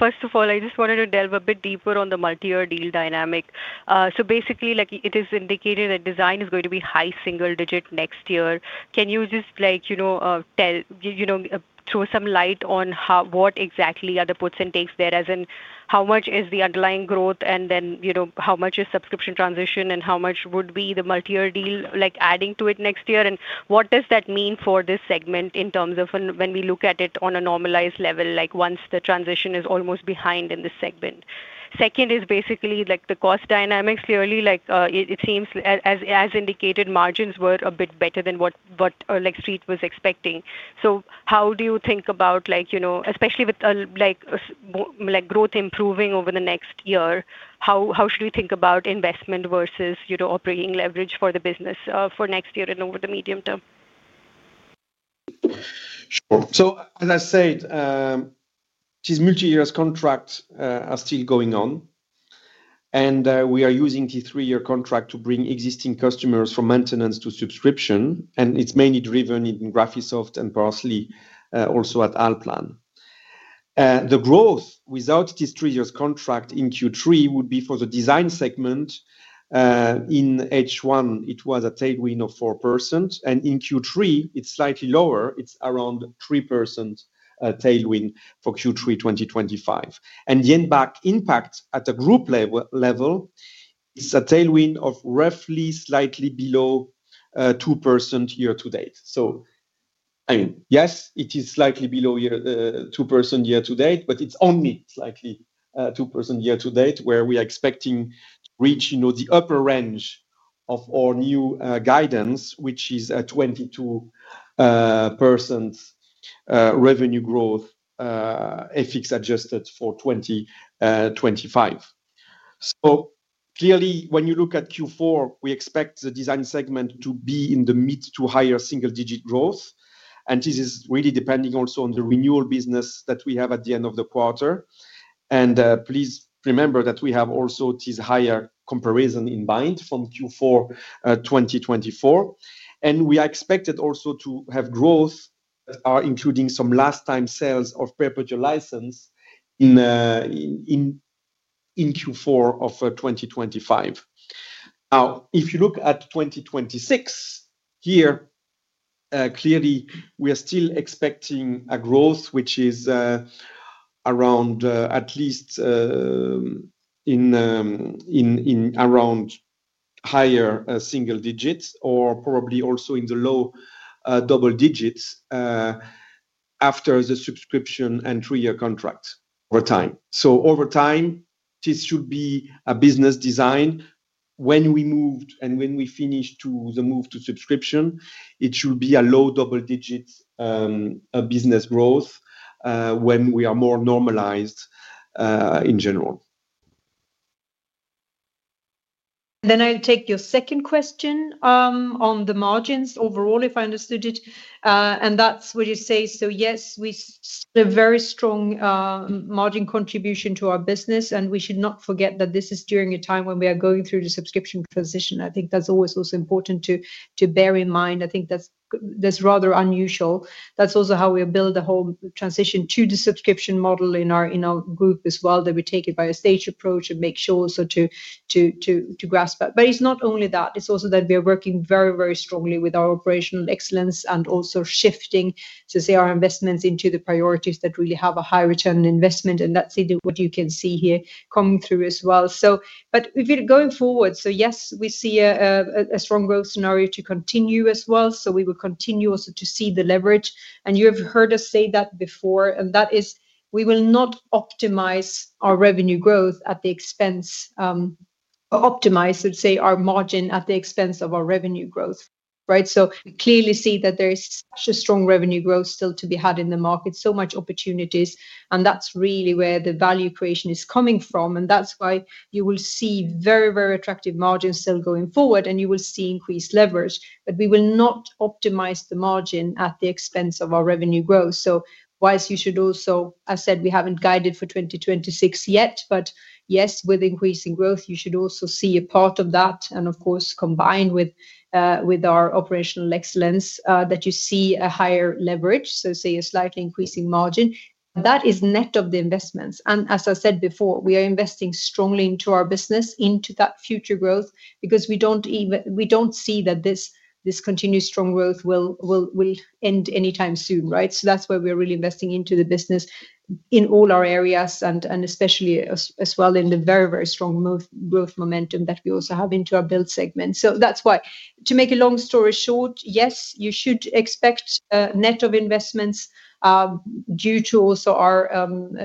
First of all, I just wanted to delve a bit deeper on the multi-year deal dynamic. It is indicated that Design is going to be high single digit next year. Can you just. Throw some light on what exactly are the percentages there as in how much is the underlying growth, and then how much is subscription transition, and how much would be the multi-year deal adding to it next year? What does that mean for this segment in terms of when we look at it on a normalized level, once the transition is almost behind in this segment? Second is basically the cost dynamics. Clearly, it seems, as indicated, margins were a bit better than what [Street] was expecting. So, how do you think about. Especially with. Growth improving over the next year? How should we think about investment versus operating leverage for the business for next year and over the medium term? Sure. So, as I said. These multi-year contracts are still going on. We are using the three-year contract to bring existing customers from maintenance to subscription. It's mainly driven in Graphisoft and partially also at ALLPLAN. The growth without this three-year contract in Q3 would be for the Design segment. In H1, it was a tailwind of 4%. In Q3, it's slightly lower. It's around 3%. Tailwind for Q3 2025. The impact at the group level is a tailwind of roughly slightly below. 2% year to date. So, I mean, yes, it is slightly below 2% year to date, but it's only slightly 2% year to date where we are expecting to reach the upper range of our new guidance, which is a 22% revenue growth. FX adjusted for 2025. So, clearly, when you look at Q4, we expect the Design segment to be in the mid to higher single digit growth. This is really depending also on the renewal business that we have at the end of the quarter. Please remember that we have also this higher comparison in mind from Q4 2024. We are expected also to have growth. Including some last-time sales of perpetual license. In. Q4 of 2025. Now, if you look at 2026. Here. Clearly, we are still expecting a growth, which is. Around at least. In. Around. Higher single digits or probably also in the low double digits. After the subscription and three-year contract over time. So, over time, this should be a business design. When we moved and when we finished the move to subscription, it should be a low double digit. Business growth. When we are more normalized. In general. I'll take your second question on the margins overall, if I understood it. That's what you say. So, yes, we. A very strong. Margin contribution to our business. We should not forget that this is during a time when we are going through the subscription transition. I think that's always also important to bear in mind. I think that's rather unusual. That's also how we build the whole transition to the subscription model in our group as well, that we take it by a stage approach and make sure also to grasp that. It's not only that. It's also that we are working very, very strongly with our operational excellence and also shifting to say our investments into the priorities that really have a high return investment. That's what you can see here coming through as well. Going forward, so yes, we see a strong growth scenario to continue as well. We will continue also to see the leverage. You have heard us say that before. That is, we will not optimize our revenue growth at the expense. Optimize, let's say, our margin at the expense of our revenue growth, right? We clearly see that there is such a strong revenue growth still to be had in the market, so much opportunities. That's really where the value creation is coming from. That's why you will see very, very attractive margins still going forward, and you will see increased leverage. We will not optimize the margin at the expense of our revenue growth. Whilst you should also, as I said, we haven't guided for 2026 yet, but yes, with increasing growth, you should also see a part of that. Of course, combined with our operational excellence, that you see a higher leverage, so say a slightly increasing margin, that is net of the investments. As I said before, we are investing strongly into our business, into that future growth, because we don't see that this continued strong growth will end anytime soon, right? That's why we are really investing into the business in all our areas, and especially as well in the very, very strong growth momentum that we also have into our Build segment. That's why. To make a long story short, yes, you should expect net of investments. Due to also our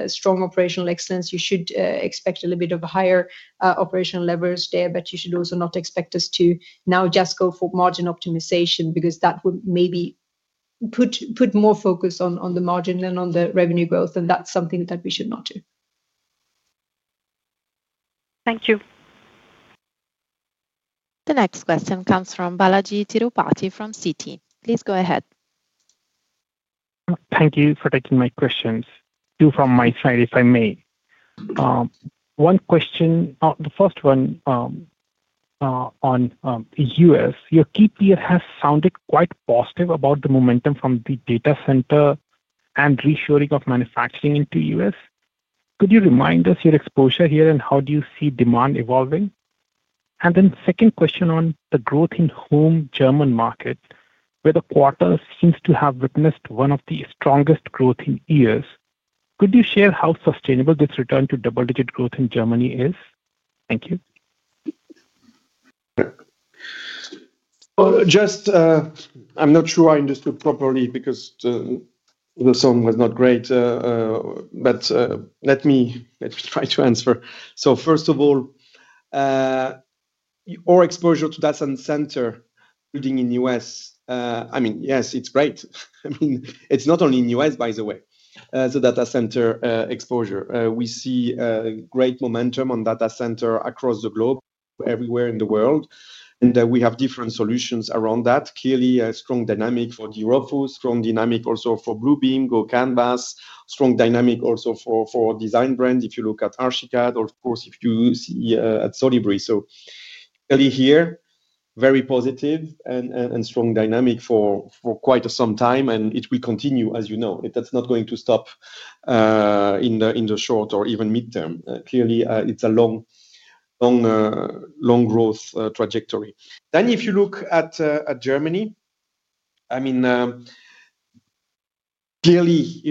strong operational excellence, you should expect a little bit of a higher operational leverage there, but you should also not expect us to now just go for margin optimization because that would maybe put more focus on the margin than on the revenue growth, and that's something that we should not do. Thank you. The next question comes from Balajee Tirupati from Citi. Please go ahead. Thank you for taking my questions. Two from my side, if I may. One question. The first one on the U.S., your key peer has sounded quite positive about the momentum from the data center and reshoring of manufacturing into the U.S. Could you remind us your exposure here and how do you see demand evolving? Then second question on the growth in home German market, where the quarter seems to have witnessed one of the strongest growth in years. Could you share how sustainable this return to double-digit growth in Germany is? Thank you. I'm not sure I understood properly because the sound was not great. But let me try to answer. So, first of all, our exposure to data center building in the U.S., I mean, yes, it's great. I mean, it's not only in the U.S., by the way, the data center exposure. We see great momentum on data center across the globe, everywhere in the world. We have different solutions around that. Clearly, a strong dynamic for dRofus, strong dynamic also for Bluebeam, GoCanvas, strong dynamic also for Design brands. If you look at Archicad, of course, if you see at Solibri. So, clearly here, very positive and strong dynamic for quite some time, and it will continue, as you know. That's not going to stop in the short or even midterm. Clearly, it's a long growth trajectory. Then, if you look at Germany. I mean, clearly,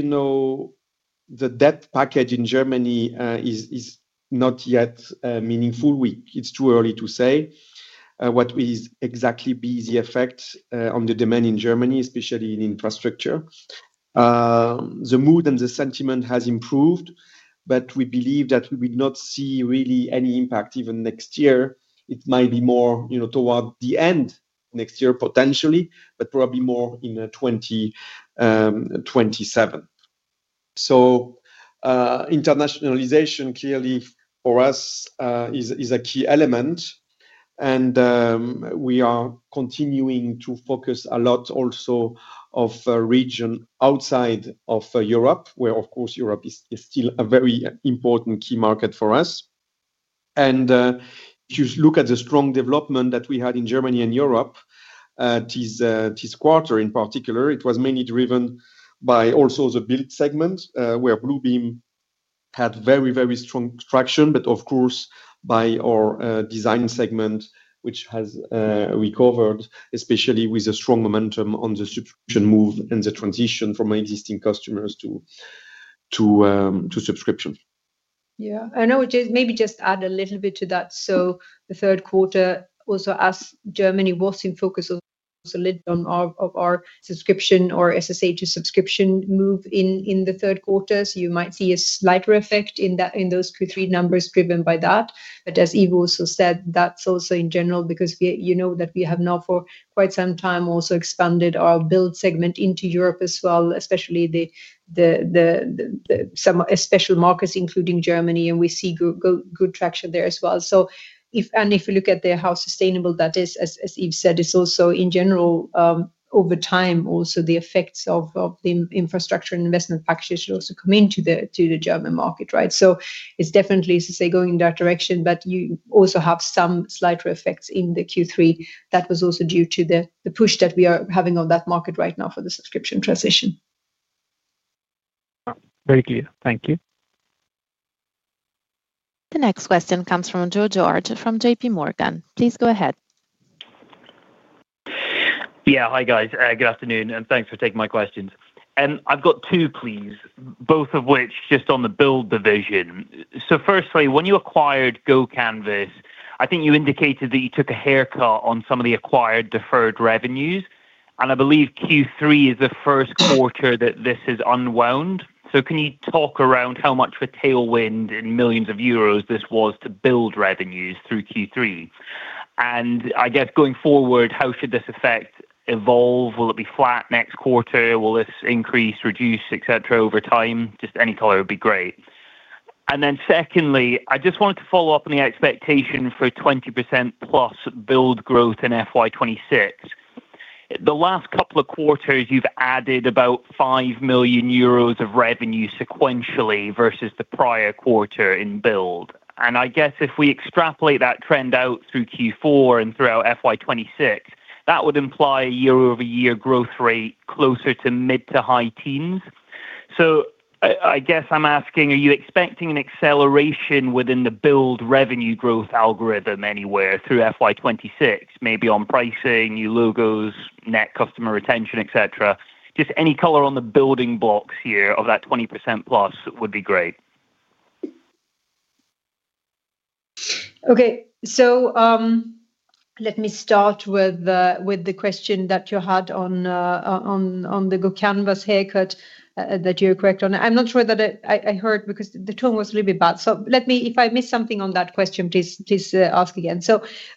the debt package in Germany is not yet meaningful. It's too early to say what will exactly be the effect on the demand in Germany, especially in infrastructure. The mood and the sentiment have improved, but we believe that we will not see really any impact even next year. It might be more toward the end next year, potentially, but probably more in 2027. So internationalization clearly for us is a key element. We are continuing to focus a lot also of region outside of Europe, where, of course, Europe is still a very important key market for us. If you look at the strong development that we had in Germany and Europe this quarter in particular, it was mainly driven by also the Build segment, where Bluebeam had very, very strong traction, but of course, by our Design segment, which has recovered, especially with a strong momentum on the subscription move and the transition from existing customers to subscription. Yeah. I would maybe just add a little bit to that. So, the third quarter, also as Germany was in focus a little bit on our subscription or SSH subscription move in the third quarter, so you might see a slight effect in those Q3 numbers driven by that. But as Yves also said, that's also in general because you know that we have now for quite some time also expanded our Build segment into Europe as well, especially some special markets, including Germany, and we see good traction there as well. If you look at how sustainable that is, as Yves said, it's also in general, over time, also the effects of the infrastructure and investment packages should also come into the German market, right? So it's definitely, as I say, going in that direction, but you also have some slight effects in the Q3. That was also due to the push that we are having on that market right now for the subscription transition. Very clear. Thank you. The next question comes from Joe George from JPMorgan. Please go ahead. Yeah. Hi, guys. Good afternoon. Thanks for taking my questions. I've got two, please, both of which just on the Build division. Firstly, when you acquired GoCanvas, I think you indicated that you took a haircut on some of the acquired deferred revenues. I believe Q3 is the first quarter that this has unwound. Can you talk around how much of a tailwind in millions of euros this was to Build revenues through Q3? I guess going forward, how should this effect evolve? Will it be flat next quarter? Will this increase, reduce, et cetera, over time? Just any color would be great. Then secondly, I just wanted to follow up on the expectation for 20%+ Build growth in FY 2026. The last couple of quarters, you've added about 5 million euros of revenue sequentially versus the prior quarter in Build. I guess if we extrapolate that trend out through Q4 and throughout FY 2026, that would imply a year-over-year growth rate closer to mid to high teens. I guess I'm asking, are you expecting an acceleration within the Build revenue growth algorithm anywhere through FY 2026, maybe on pricing, new logos, net customer retention, et cetera? Just any color on the building blocks here of that 20%+ would be great. Okay. Let me start with the question that you had on the GoCanvas haircut that you're correct on. I'm not sure that I heard because the tone was a little bit bad. If I missed something on that question, please ask again.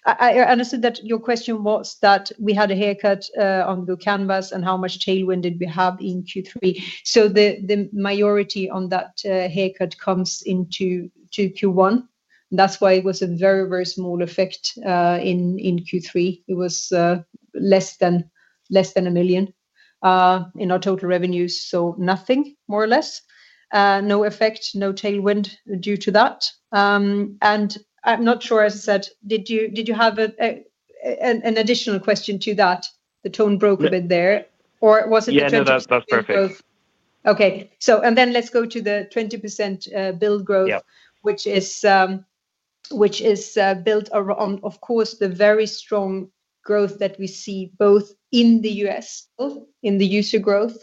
I understood that your question was that we had a haircut on GoCanvas and how much tailwind did we have in Q3. The majority on that haircut comes into Q1. That's why it was a very, very small effect in Q3. It was less than a million in our total revenues. Nothing, more or less. No effect, no tailwind due to that. I'm not sure, as I said, did you have an additional question to that? The tone broke a bit there. Or was it the 20% growth? Yeah, no, that's perfect. Okay. And then let's go to the 20% Build growth, which is built on, of course, the very strong growth that we see both in the U.S., in the user growth.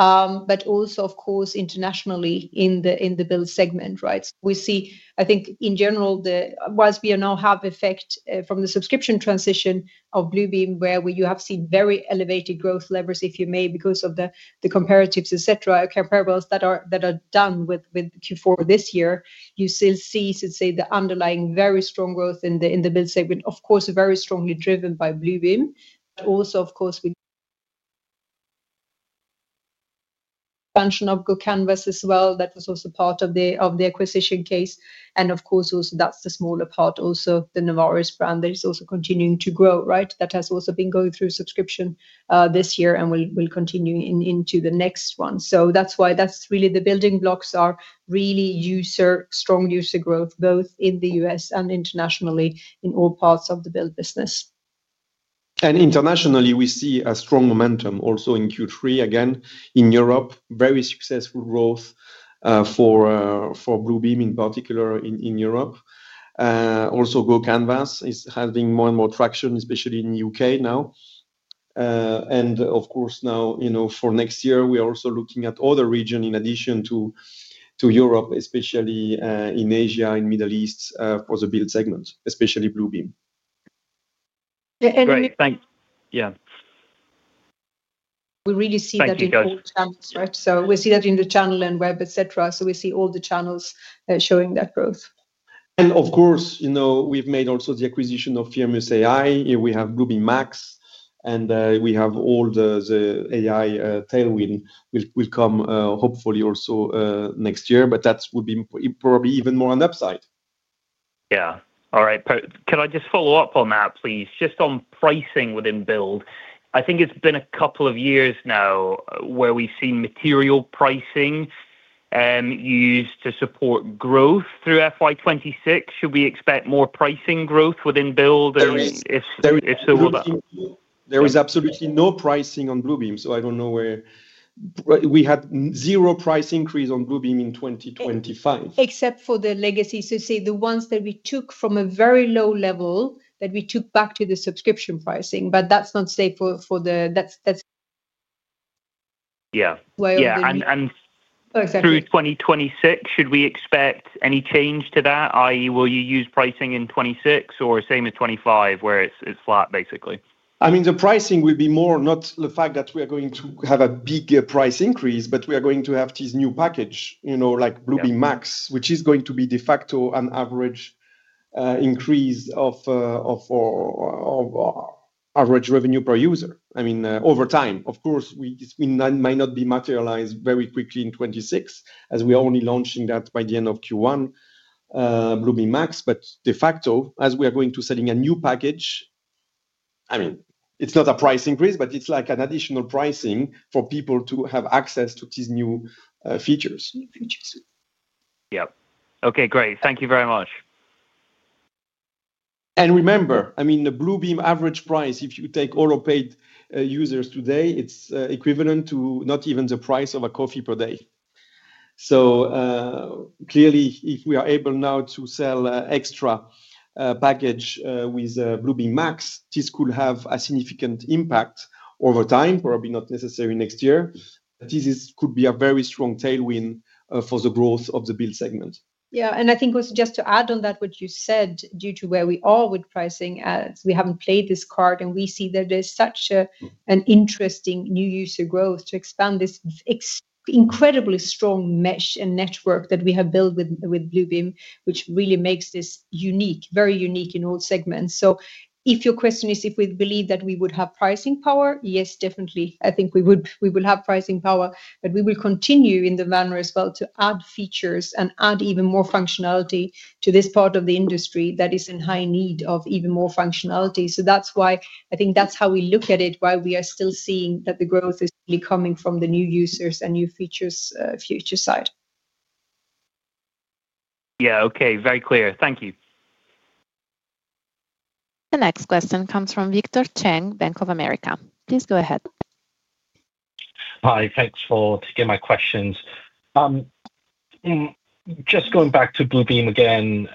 But also, of course, internationally in the Build segment, right? We see, I think, in general, whilst we now have effect from the subscription transition of Bluebeam, where you have seen very elevated growth levers, if you may, because of the comparatives, et cetera, comparables that are done with Q4 this year, you still see, let's say, the underlying very strong growth in the Build segment, of course, very strongly driven by Bluebeam. But also, of course, expansion of GoCanvas as well. That was also part of the acquisition case. Of course, that's the smaller part, also the NEVARIS brand that is also continuing to grow, right? That has also been going through subscription this year and will continue into the next one. So, that's why that's really the building blocks are really strong user growth, both in the U.S. and internationally in all parts of the Build business. Internationally, we see a strong momentum also in Q3. Again, in Europe, very successful growth for Bluebeam in particular in Europe. Also, GoCanvas is having more and more traction, especially in the U.K. now. Of course, now for next year, we are also looking at other regions in addition to Europe, especially in Asia, in the Middle East for the Build segment, especially Bluebeam. Great. Thanks. Yeah. We really see that in all channels, right? So, we see that in the channel and web, et cetera. So, we see all the channels showing that growth. Of course, we've made also the acquisition of Firmus AI. We have Bluebeam Max. All the AI tailwind will come hopefully also next year, but that would be probably even more on the upside. Yeah. All right. Can I just follow up on that, please? Just on pricing within Build, I think it's been a couple of years now where we've seen material pricing. Used to support growth through FY 2026. Should we expect more pricing growth within Build? There is absolutely no pricing on Bluebeam, so I don't know where. We had zero price increase on Bluebeam in 2025. Except for the legacy, so to say, the ones that we took from a very low level that we took back to the subscription pricing. But that's not safe for the. Yeah. Through 2026, should we expect any change to that? I.e., will you use pricing in 2026 or same as 2025 where it's flat, basically? I mean, the pricing will be more not the fact that we are going to have a big price increase, but we are going to have this new package like Bluebeam Max, which is going to be de facto an average increase of average revenue per user. I mean, over time, of course, it might not be materialized very quickly in 2026, as we are only launching that by the end of Q1. Bluebeam Max. But de facto, as we are going to setting a new package. I mean, it's not a price increase, but it's like an additional pricing for people to have access to these new features. Yep. Okay. Great. Thank you very much. Remember, I mean, the Bluebeam average price, if you take all our paid users today, it's equivalent to not even the price of a coffee per day. So clearly, if we are able now to sell an extra package with Bluebeam Max, this could have a significant impact over time, probably not necessarily next year. But this could be a very strong tailwind for the growth of the Build segment. Yeah. I think just to add on that, what you said, due to where we are with pricing, we haven't played this card, and we see that there's such an interesting new user growth to expand this. Incredibly strong mesh and network that we have built with Bluebeam, which really makes this unique, very unique in all segments. So, if your question is if we believe that we would have pricing power, yes, definitely, I think we will have pricing power. But we will continue in the manner as well to add features and add even more functionality to this part of the industry that is in high need of even more functionality. So, that's why I think that's how we look at it, why we are still seeing that the growth is coming from the new users and new features side. Yeah. Okay. Very clear. Thank you. The next question comes from Victor Cheng, Bank of America. Please go ahead. Hi. Thanks for taking my questions. Just going back to Bluebeam again.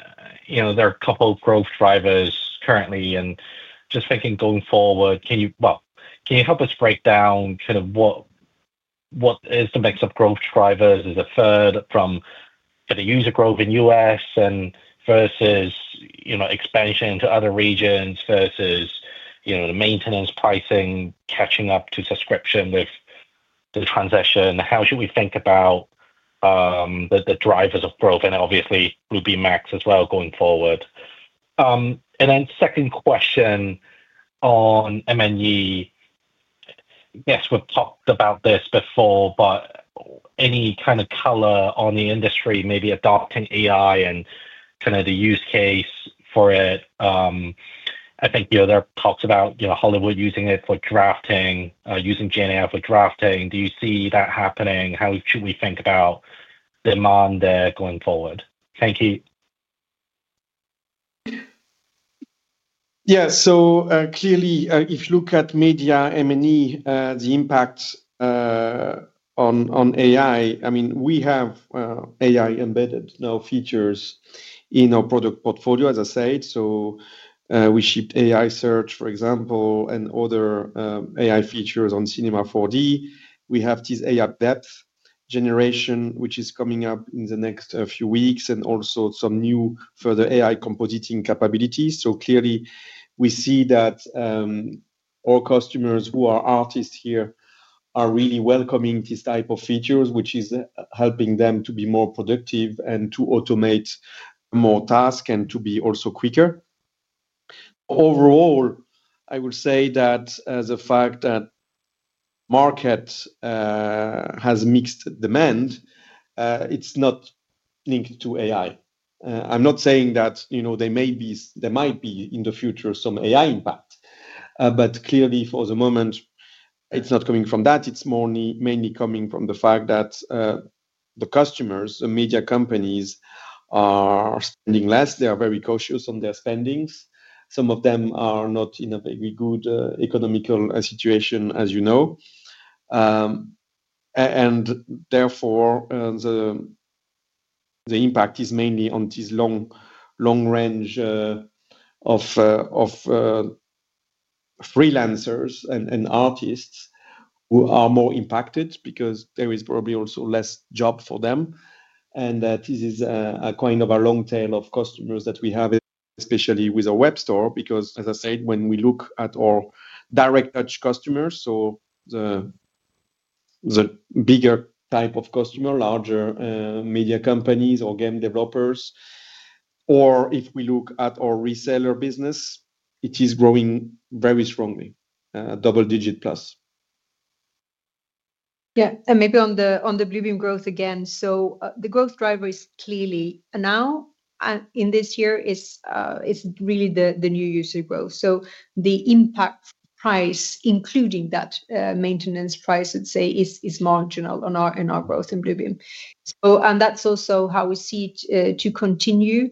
There are a couple of growth drivers currently. Just thinking going forward, well, can you help us break down kind of what is the mix of growth drivers? Is it further from the user growth in the U.S. versus expansion to other regions versus the maintenance pricing catching up to subscription with the transition? How should we think about the drivers of growth and obviously Bluebeam Max as well going forward? Second question on M&E. Yes, we've talked about this before, but any kind of color on the industry, maybe adopting AI and kind of the use case for it? I think there are talks about Hollywood using it for drafting, using GenAI for drafting. Do you see that happening? How should we think about demand there going forward? Thank you. Yeah. So, clearly, if you look at Media M&E, the impact on AI, I mean, we have AI-embedded now features in our product portfolio, as I said. So, we shipped AI search, for example, and other AI features on Cinema 4D. We have this AI depth generation, which is coming up in the next few weeks, and also some new further AI compositing capabilities. So, clearly, we see that our customers who are artists here are really welcoming this type of features, which is helping them to be more productive and to automate more tasks and to be also quicker. Overall, I will say that the fact that market has mixed demand, it's not linked to AI. I'm not saying that there might be in the future some AI impact. But clearly, for the moment, it's not coming from that. It's mainly coming from the fact that the customers, the media companies are spending less. They are very cautious on their spendings. Some of them are not in a very good economical situation, as you know. Therefore, the impact is mainly on this long range of. Freelancers and artists who are more impacted because there is probably also less job for them. This is a kind of a long tail of customers that we have, especially with our web store, because, as I said, when we look at our direct touch customers, so the bigger type of customer, larger media companies or game developers. Or if we look at our reseller business, it is growing very strongly, double-digit plus. Yeah. Maybe on the Bluebeam growth again, so the growth driver is clearly now. In this year, it's really the new user growth. So, the impact price, including that maintenance price, let's say, is marginal in our growth in Bluebeam. That's also how we see it to continue.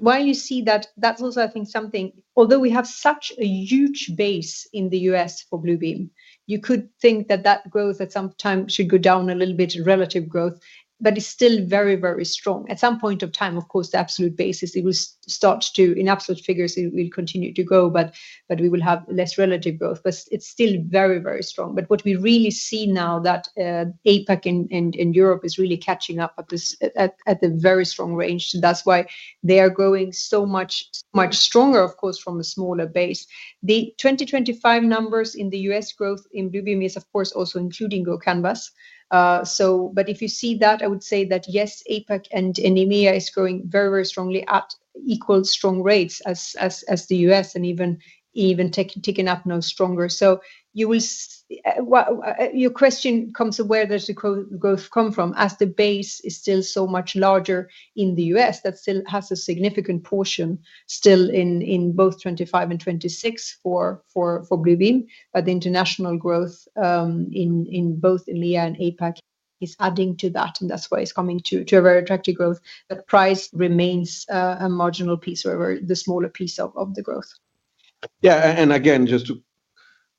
Why you see that, that's also, I think, something, although we have such a huge base in the U.S. for Bluebeam, you could think that that growth at some time should go down a little bit, relative growth, but it's still very, very strong. At some point of time, of course, the absolute basis, it will start to, in absolute figures, it will continue to go, but we will have less relative growth. But it's still very, very strong. But what we really see now, that APAC in Europe is really catching up at the very strong range. That's why they are growing so much stronger, of course, from a smaller base. The 2025 numbers in the U.S. growth in Bluebeam is, of course, also including GoCanvas. But if you see that, I would say that, yes, APAC and EMEA is growing very, very strongly at equal strong rates as the U.S. and even taking up now stronger. So, your question comes to where does the growth come from? As the base is still so much larger in the U.S., that still has a significant portion still in both 2025 and 2026 for Bluebeam. But the international growth in both EMEA and APAC is adding to that. That's why it's coming to a very attractive growth. But price remains a marginal piece or the smaller piece of the growth. Yeah. Again, just to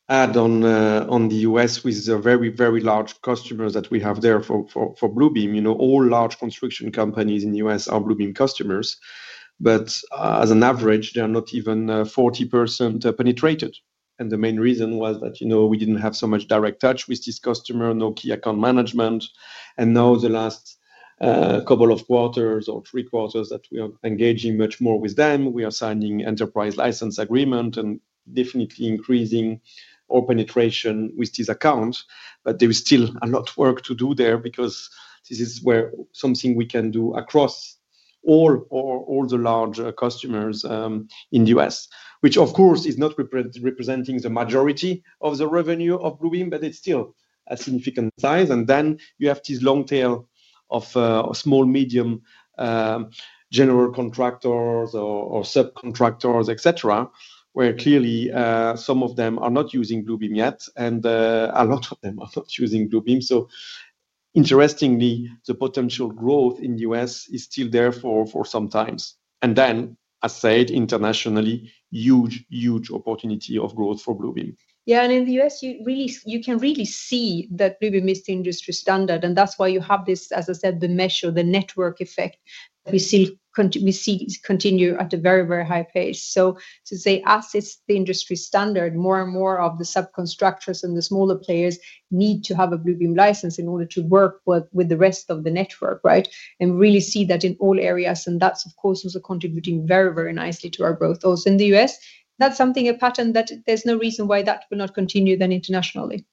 add on the U.S. with the very, very large customers that we have there for Bluebeam. All large construction companies in the U.S. are Bluebeam customers. But as an average, they are not even 40% penetrated. The main reason was that we didn't have so much direct touch with this customer, no key account management. Now, the last couple of quarters or three quarters that we are engaging much more with them, we are signing enterprise license agreement and definitely increasing our penetration with these accounts. But there is still a lot of work to do there because this is something we can do across all. The large customers in the U.S., which, of course, is not representing the majority of the revenue of Bluebeam, but it's still a significant size. Then you have this long tail of small, medium general contractors or subcontractors, et cetera, where clearly some of them are not using Bluebeam yet, and a lot of them are not using Bluebeam. So, interestingly, the potential growth in the U.S. is still there for some time. Then, as I said, internationally, huge, huge opportunity of growth for Bluebeam. Yeah. In the U.S., you can really see that Bluebeam is the industry standard. That's why you have this, as I said, the measure, the network effect that we see continue at a very, very high pace. So, to say, U.S. is the industry standard, more and more of the subcontractors and the smaller players need to have a Bluebeam license in order to work with the rest of the network, right? Really see that in all areas. That's, of course, also contributing very, very nicely to our growth. Also, in the U.S., that's something, a pattern that there's no reason why that will not continue then internationally.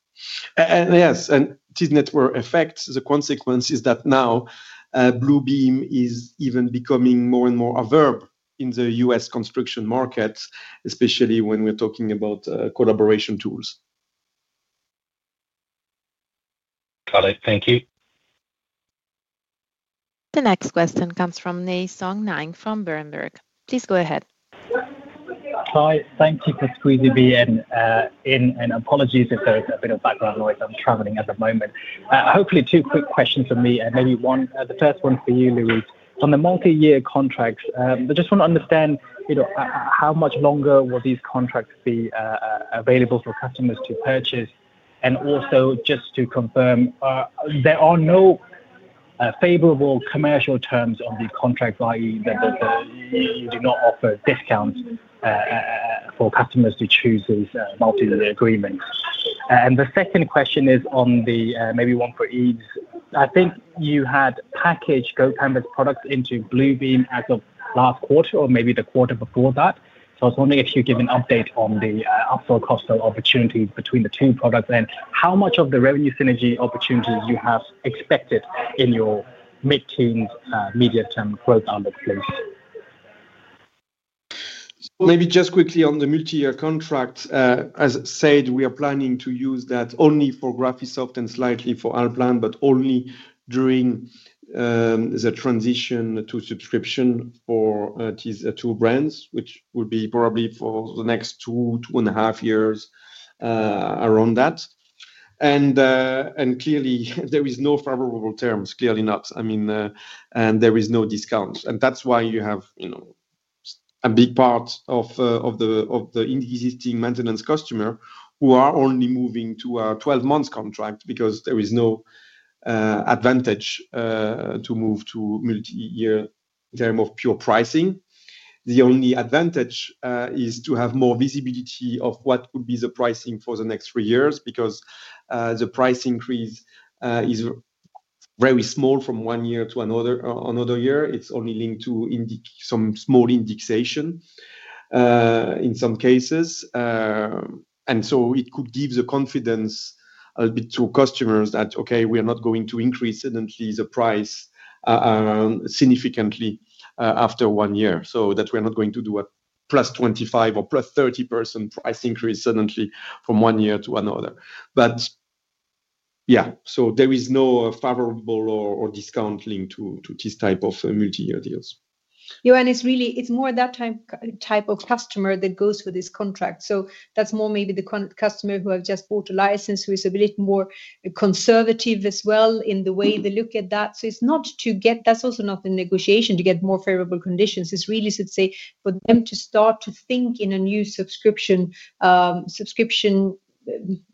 Yes, and this network effect, the consequence is that now Bluebeam is even becoming more and more a verb in the U.S. construction market, especially when we're talking about collaboration tools. Got it. Thank you. The next question comes from Nay Soe Naing from Berenberg. Please go ahead. Hi. Thank you for squeezing me in. Apologies if there's a bit of background noise. I'm traveling at the moment. Hopefully, two quick questions for me. Maybe one, the first one for you, Louise, on the multi-year contracts. I just want to understand. How much longer will these contracts be available for customers to purchase? Also, just to confirm. There are no favorable commercial terms on the contract, i.e., that you do not offer discounts for customers to choose these multi-year agreements. The second question is on the maybe one for Yves. I think you had packaged GoCanvas products into Bluebeam as of last quarter or maybe the quarter before that. So I was wondering if you give an update on the upsell cross opportunity between the two products and how much of the revenue synergy opportunities you have expected in your mid-teens medium term growth outlook, please. Maybe just quickly on the multi-year contract. As I said, we are planning to use that only for Graphisoft and slightly for ALLPLAN, but only during the transition to subscription for these two brands, which will be probably for the next two, two and a half years around that. Clearly, there is no favorable terms, clearly not. I mean, and there is no discount. That's why you have a big part of the existing maintenance customer who are only moving to a 12-month contract because there is no. Advantage to move to multi-year term of pure pricing. The only advantage is to have more visibility of what would be the pricing for the next three years because the price increase is very small from one year to another year. It's only linked to some small indexation in some cases. It could give the confidence a bit to customers that, okay, we are not going to increase suddenly the price significantly after one year, so that we're not going to do a +25% or +30% price increase suddenly from one year to another. Yeah, so there is no favorable or discount linked to this type of multi-year deals. Yeah. It's more that type of customer that goes with this contract. That's more maybe the customer who has just bought a license, who is a bit more conservative as well in the way they look at that. It's not to get that's also not the negotiation to get more favorable conditions. It's really, let's say, for them to start to think in a new subscription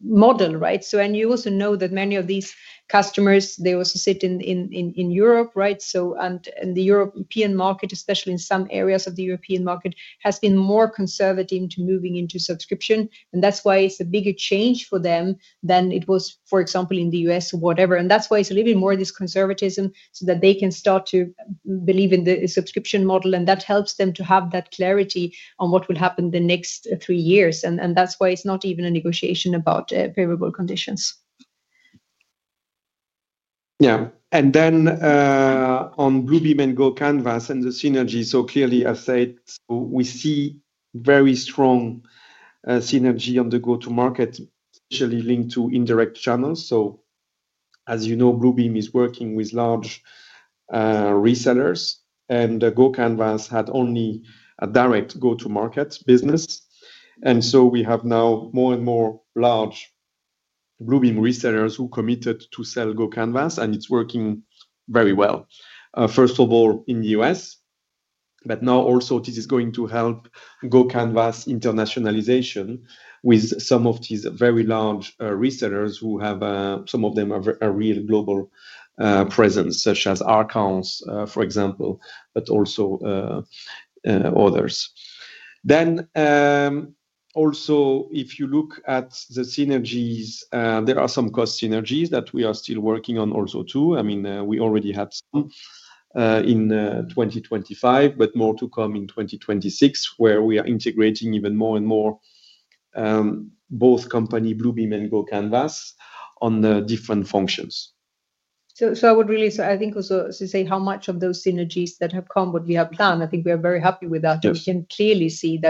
model, right? You also know that many of these customers, they also sit in Europe, right? The European market, especially in some areas of the European market, has been more conservative into moving into subscription. That's why it's a bigger change for them than it was, for example, in the U.S. or whatever. That's why it's a little bit more of this conservatism so that they can start to believe in the subscription model. That helps them to have that clarity on what will happen the next three years. That's why it's not even a negotiation about favorable conditions. Yeah. On Bluebeam and GoCanvas and the synergy, so clearly, as I said, we see very strong synergy on the go-to-market, especially linked to indirect channels. As you know, Bluebeam is working with large resellers, and GoCanvas had only a direct go-to-market business. We have now more and more large Bluebeam resellers who committed to sell GoCanvas, and it's working very well, first of all, in the U.S. Now, also, this is going to help GoCanvas internationalization with some of these very large resellers who have some of them have a real global presence, such as Archons, for example, but also others. Also, if you look at the synergies, there are some cost synergies that we are still working on also too. I mean, we already had some in 2025, but more to come in 2026, where we are integrating even more and more both company, Bluebeam and GoCanvas, on different functions. I would really, I think, also say how much of those synergies that have come would be upfront. I think we are very happy with that. We can clearly see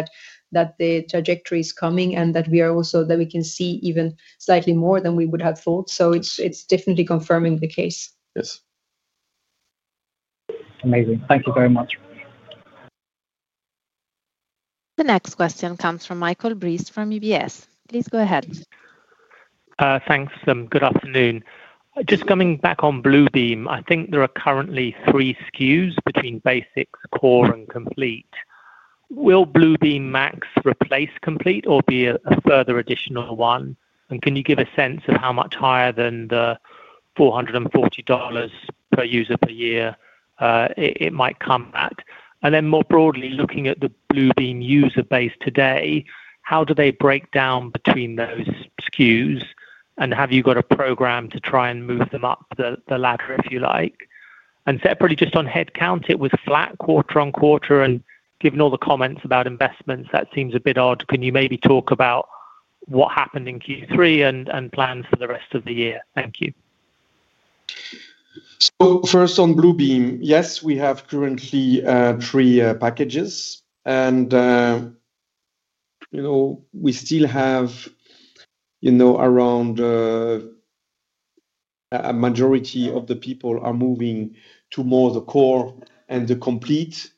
that. The trajectory is coming and that we are also that we can see even slightly more than we would have thought. It's definitely confirming the case. Yes. Amazing. Thank you very much. The next question comes from Michael Briest from UBS. Please go ahead. Thanks. Good afternoon. Just coming back on Bluebeam, I think there are currently three SKUs between Basics, Core, and Complete. Will Bluebeam Max replace Complete or be a further additional one? And can you give a sense of how much higher than the $440 per user per year it might come at? And then more broadly, looking at the Bluebeam user base today, how do they break down between those SKUs? And have you got a program to try and move them up the ladder, if you like? And separately, just on headcount, it was flat quarter on quarter. And given all the comments about investments, that seems a bit odd. Can you maybe talk about what happened in Q3 and plans for the rest of the year? Thank you. First, on Bluebeam, yes, we have currently three packages. And we still have around a majority of the people are moving to more the Core and the Complete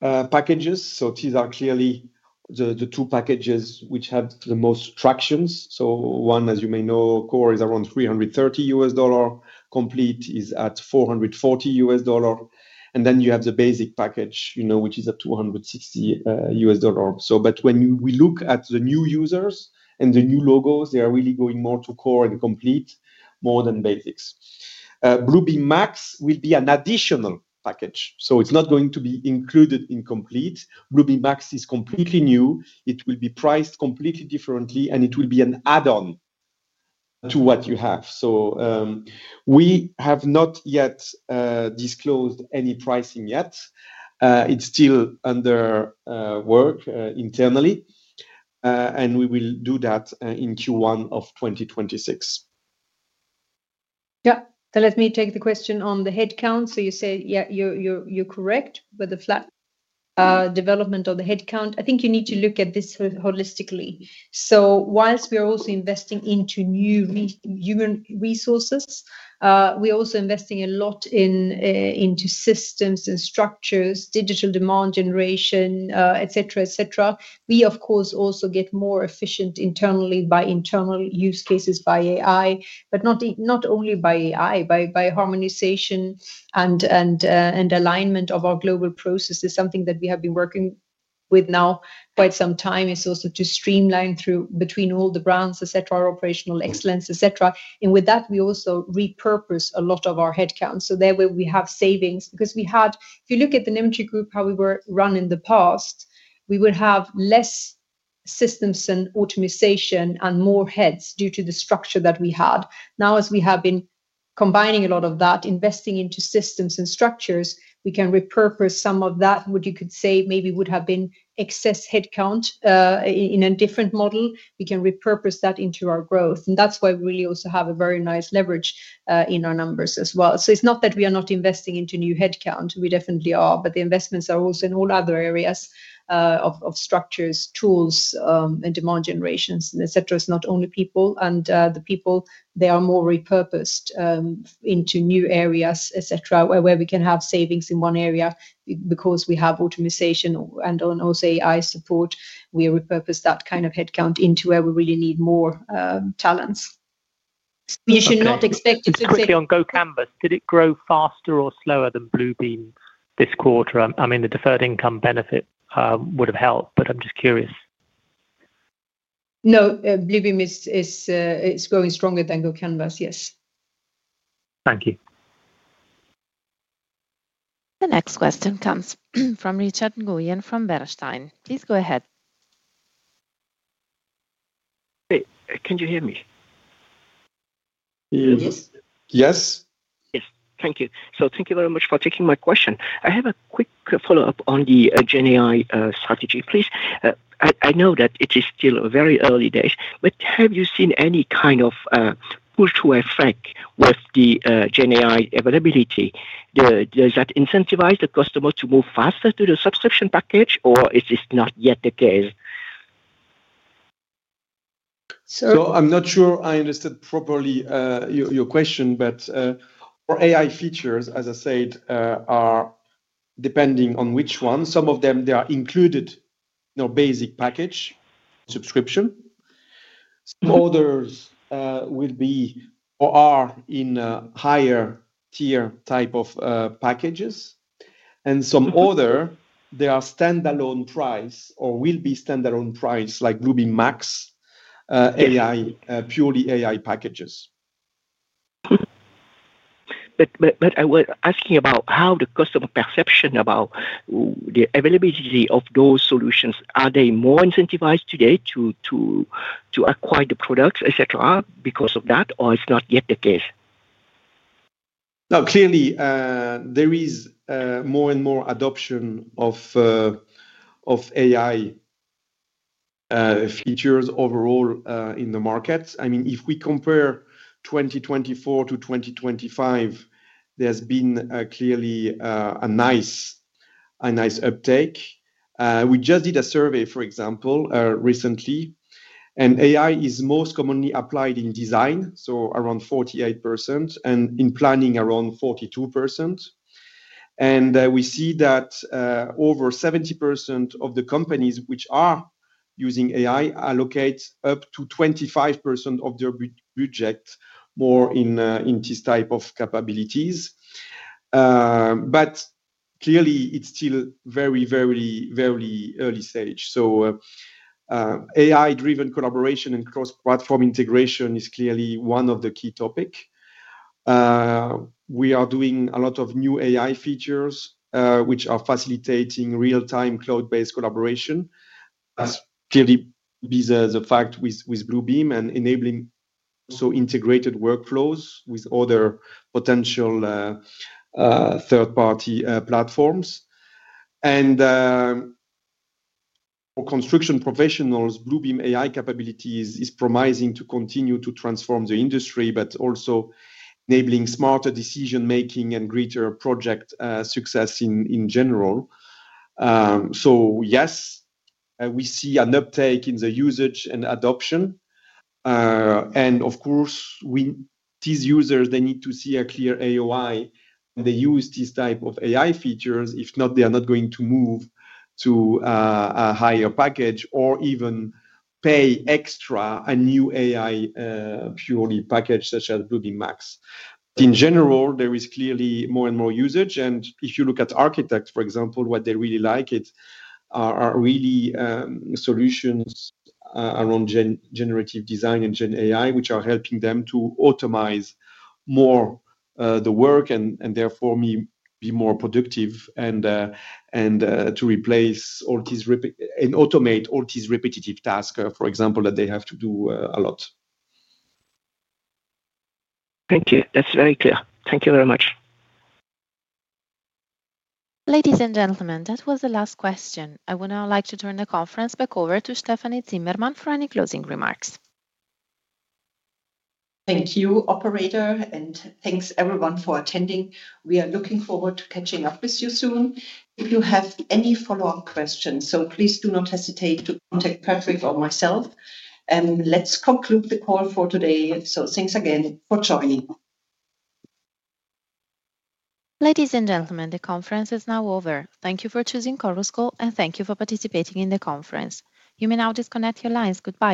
packages. These are clearly the two packages which have the most tractions. One, as you may know, Core is around $330. Complete is at $440. And then you have the Basic package, which is at $260. But when we look at the new users and the new logos, they are really going more to Core and Complete more than Basics. Bluebeam Max will be an additional package. It's not going to be included in Complete. Bluebeam Max is completely new. It will be priced completely differently, and it will be an add-on to what you have. We have not yet disclosed any pricing yet. It's still under work internally. And we will do that in Q1 of 2026. Yeah. Let me take the question on the headcount. You say, yeah, you're correct with the flat development of the headcount. I think you need to look at this holistically. Whilst we're also investing into new human resources, we're also investing a lot into systems and structures, digital demand generation, etc., etc. We, of course, also get more efficient internally by internal use cases by AI, but not only by AI, by harmonization and alignment of our global processes. Something that we have been working with now quite some time is also to streamline between all the brands, etc., our operational excellence, etc. And with that, we also repurpose a lot of our headcount. Therefore, we have savings because we had, if you look at the Nemetschek group, how we were run in the past, we would have less systems and optimization and more heads due to the structure that we had. Now, as we have been combining a lot of that, investing into systems and structures, we can repurpose some of that, what you could say maybe would have been excess headcount. In a different model, we can repurpose that into our growth. That's why we really also have a very nice leverage in our numbers as well. So it's not that we are not investing into new headcount. We definitely are, but the investments are also in all other areas of structures, tools, and demand generations, etc. It's not only people. The people, they are more repurposed into new areas, etc., where we can have savings in one area because we have optimization and also AI support. We repurpose that kind of headcount into where we really need more talents. You should not expect it to take—. It's a question on GoCanvas. Did it grow faster or slower than Bluebeam this quarter? I mean, the deferred income benefit would have helped, but I'm just curious. No, Bluebeam is growing stronger than GoCanvas, yes. Thank you. The next question comes from Richard Nguyen from Bernstein. Please go ahead. Can you hear me? Yes. Yes. Yes. Thank you. Thank you very much for taking my question. I have a quick follow-up on the GenAI strategy, please. I know that it is still very early days, but have you seen any kind of push to effect with the GenAI availability? Does that incentivize the customer to move faster to the subscription package, or is this not yet the case? I'm not sure I understood properly your question, but for AI features, as I said, are depending on which one. Some of them, they are included. Basic package subscription. Some others will be or are in a higher-tier type of packages. Some other, they are standalone price or will be standalone price like Bluebeam Max. AI, purely AI packages. But I was asking about how the customer perception about the availability of those solutions. Are they more incentivized today to acquire the products, etc., because of that, or it's not yet the case? No, clearly. There is more and more adoption of AI features overall in the market. I mean, if we compare 2024 to 2025. There's been clearly a nice uptake. We just did a survey, for example, recently, and AI is most commonly applied in design, so around 48%, and in planning, around 42%. We see that over 70% of the companies which are using AI allocate up to 25% of their budget more in these types of capabilities. But clearly, it's still very, very early stage. AI-driven collaboration and cross-platform integration is clearly one of the key topics. We are doing a lot of new AI features which are facilitating real-time cloud-based collaboration. As clearly be the fact with Bluebeam and enabling also integrated workflows with other potential third-party platforms. For construction professionals, Bluebeam AI capabilities is promising to continue to transform the industry, but also enabling smarter decision-making and greater project success in general. So yes, we see an uptake in the usage and adoption. And of course, these users, they need to see a clear ROI, and they use these types of AI features. If not, they are not going to move to a higher package or even pay extra a new AI purely package such as Bluebeam Max. In general, there is clearly more and more usage. And if you look at architects, for example, what they really like are really solutions around generative design and GenAI, which are helping them to optimize more the work and therefore be more productive and to replace all these and automate all these repetitive tasks, for example, that they have to do a lot. Thank you. That's very clear. Thank you very much. Ladies and gentlemen, that was the last question. I would now like to turn the conference back over to Stefanie Zimmermann for any closing remarks. Thank you, operator, and thanks everyone for attending. We are looking forward to catching up with you soon. If you have any follow-up questions, please do not hesitate to contact Patrick or myself. And let's conclude the call for today. Thanks again for joining. Ladies and gentlemen, the conference is now over. Thank you for choosing Chorus Call, and thank you for participating in the conference. You may now disconnect your lines. Goodbye.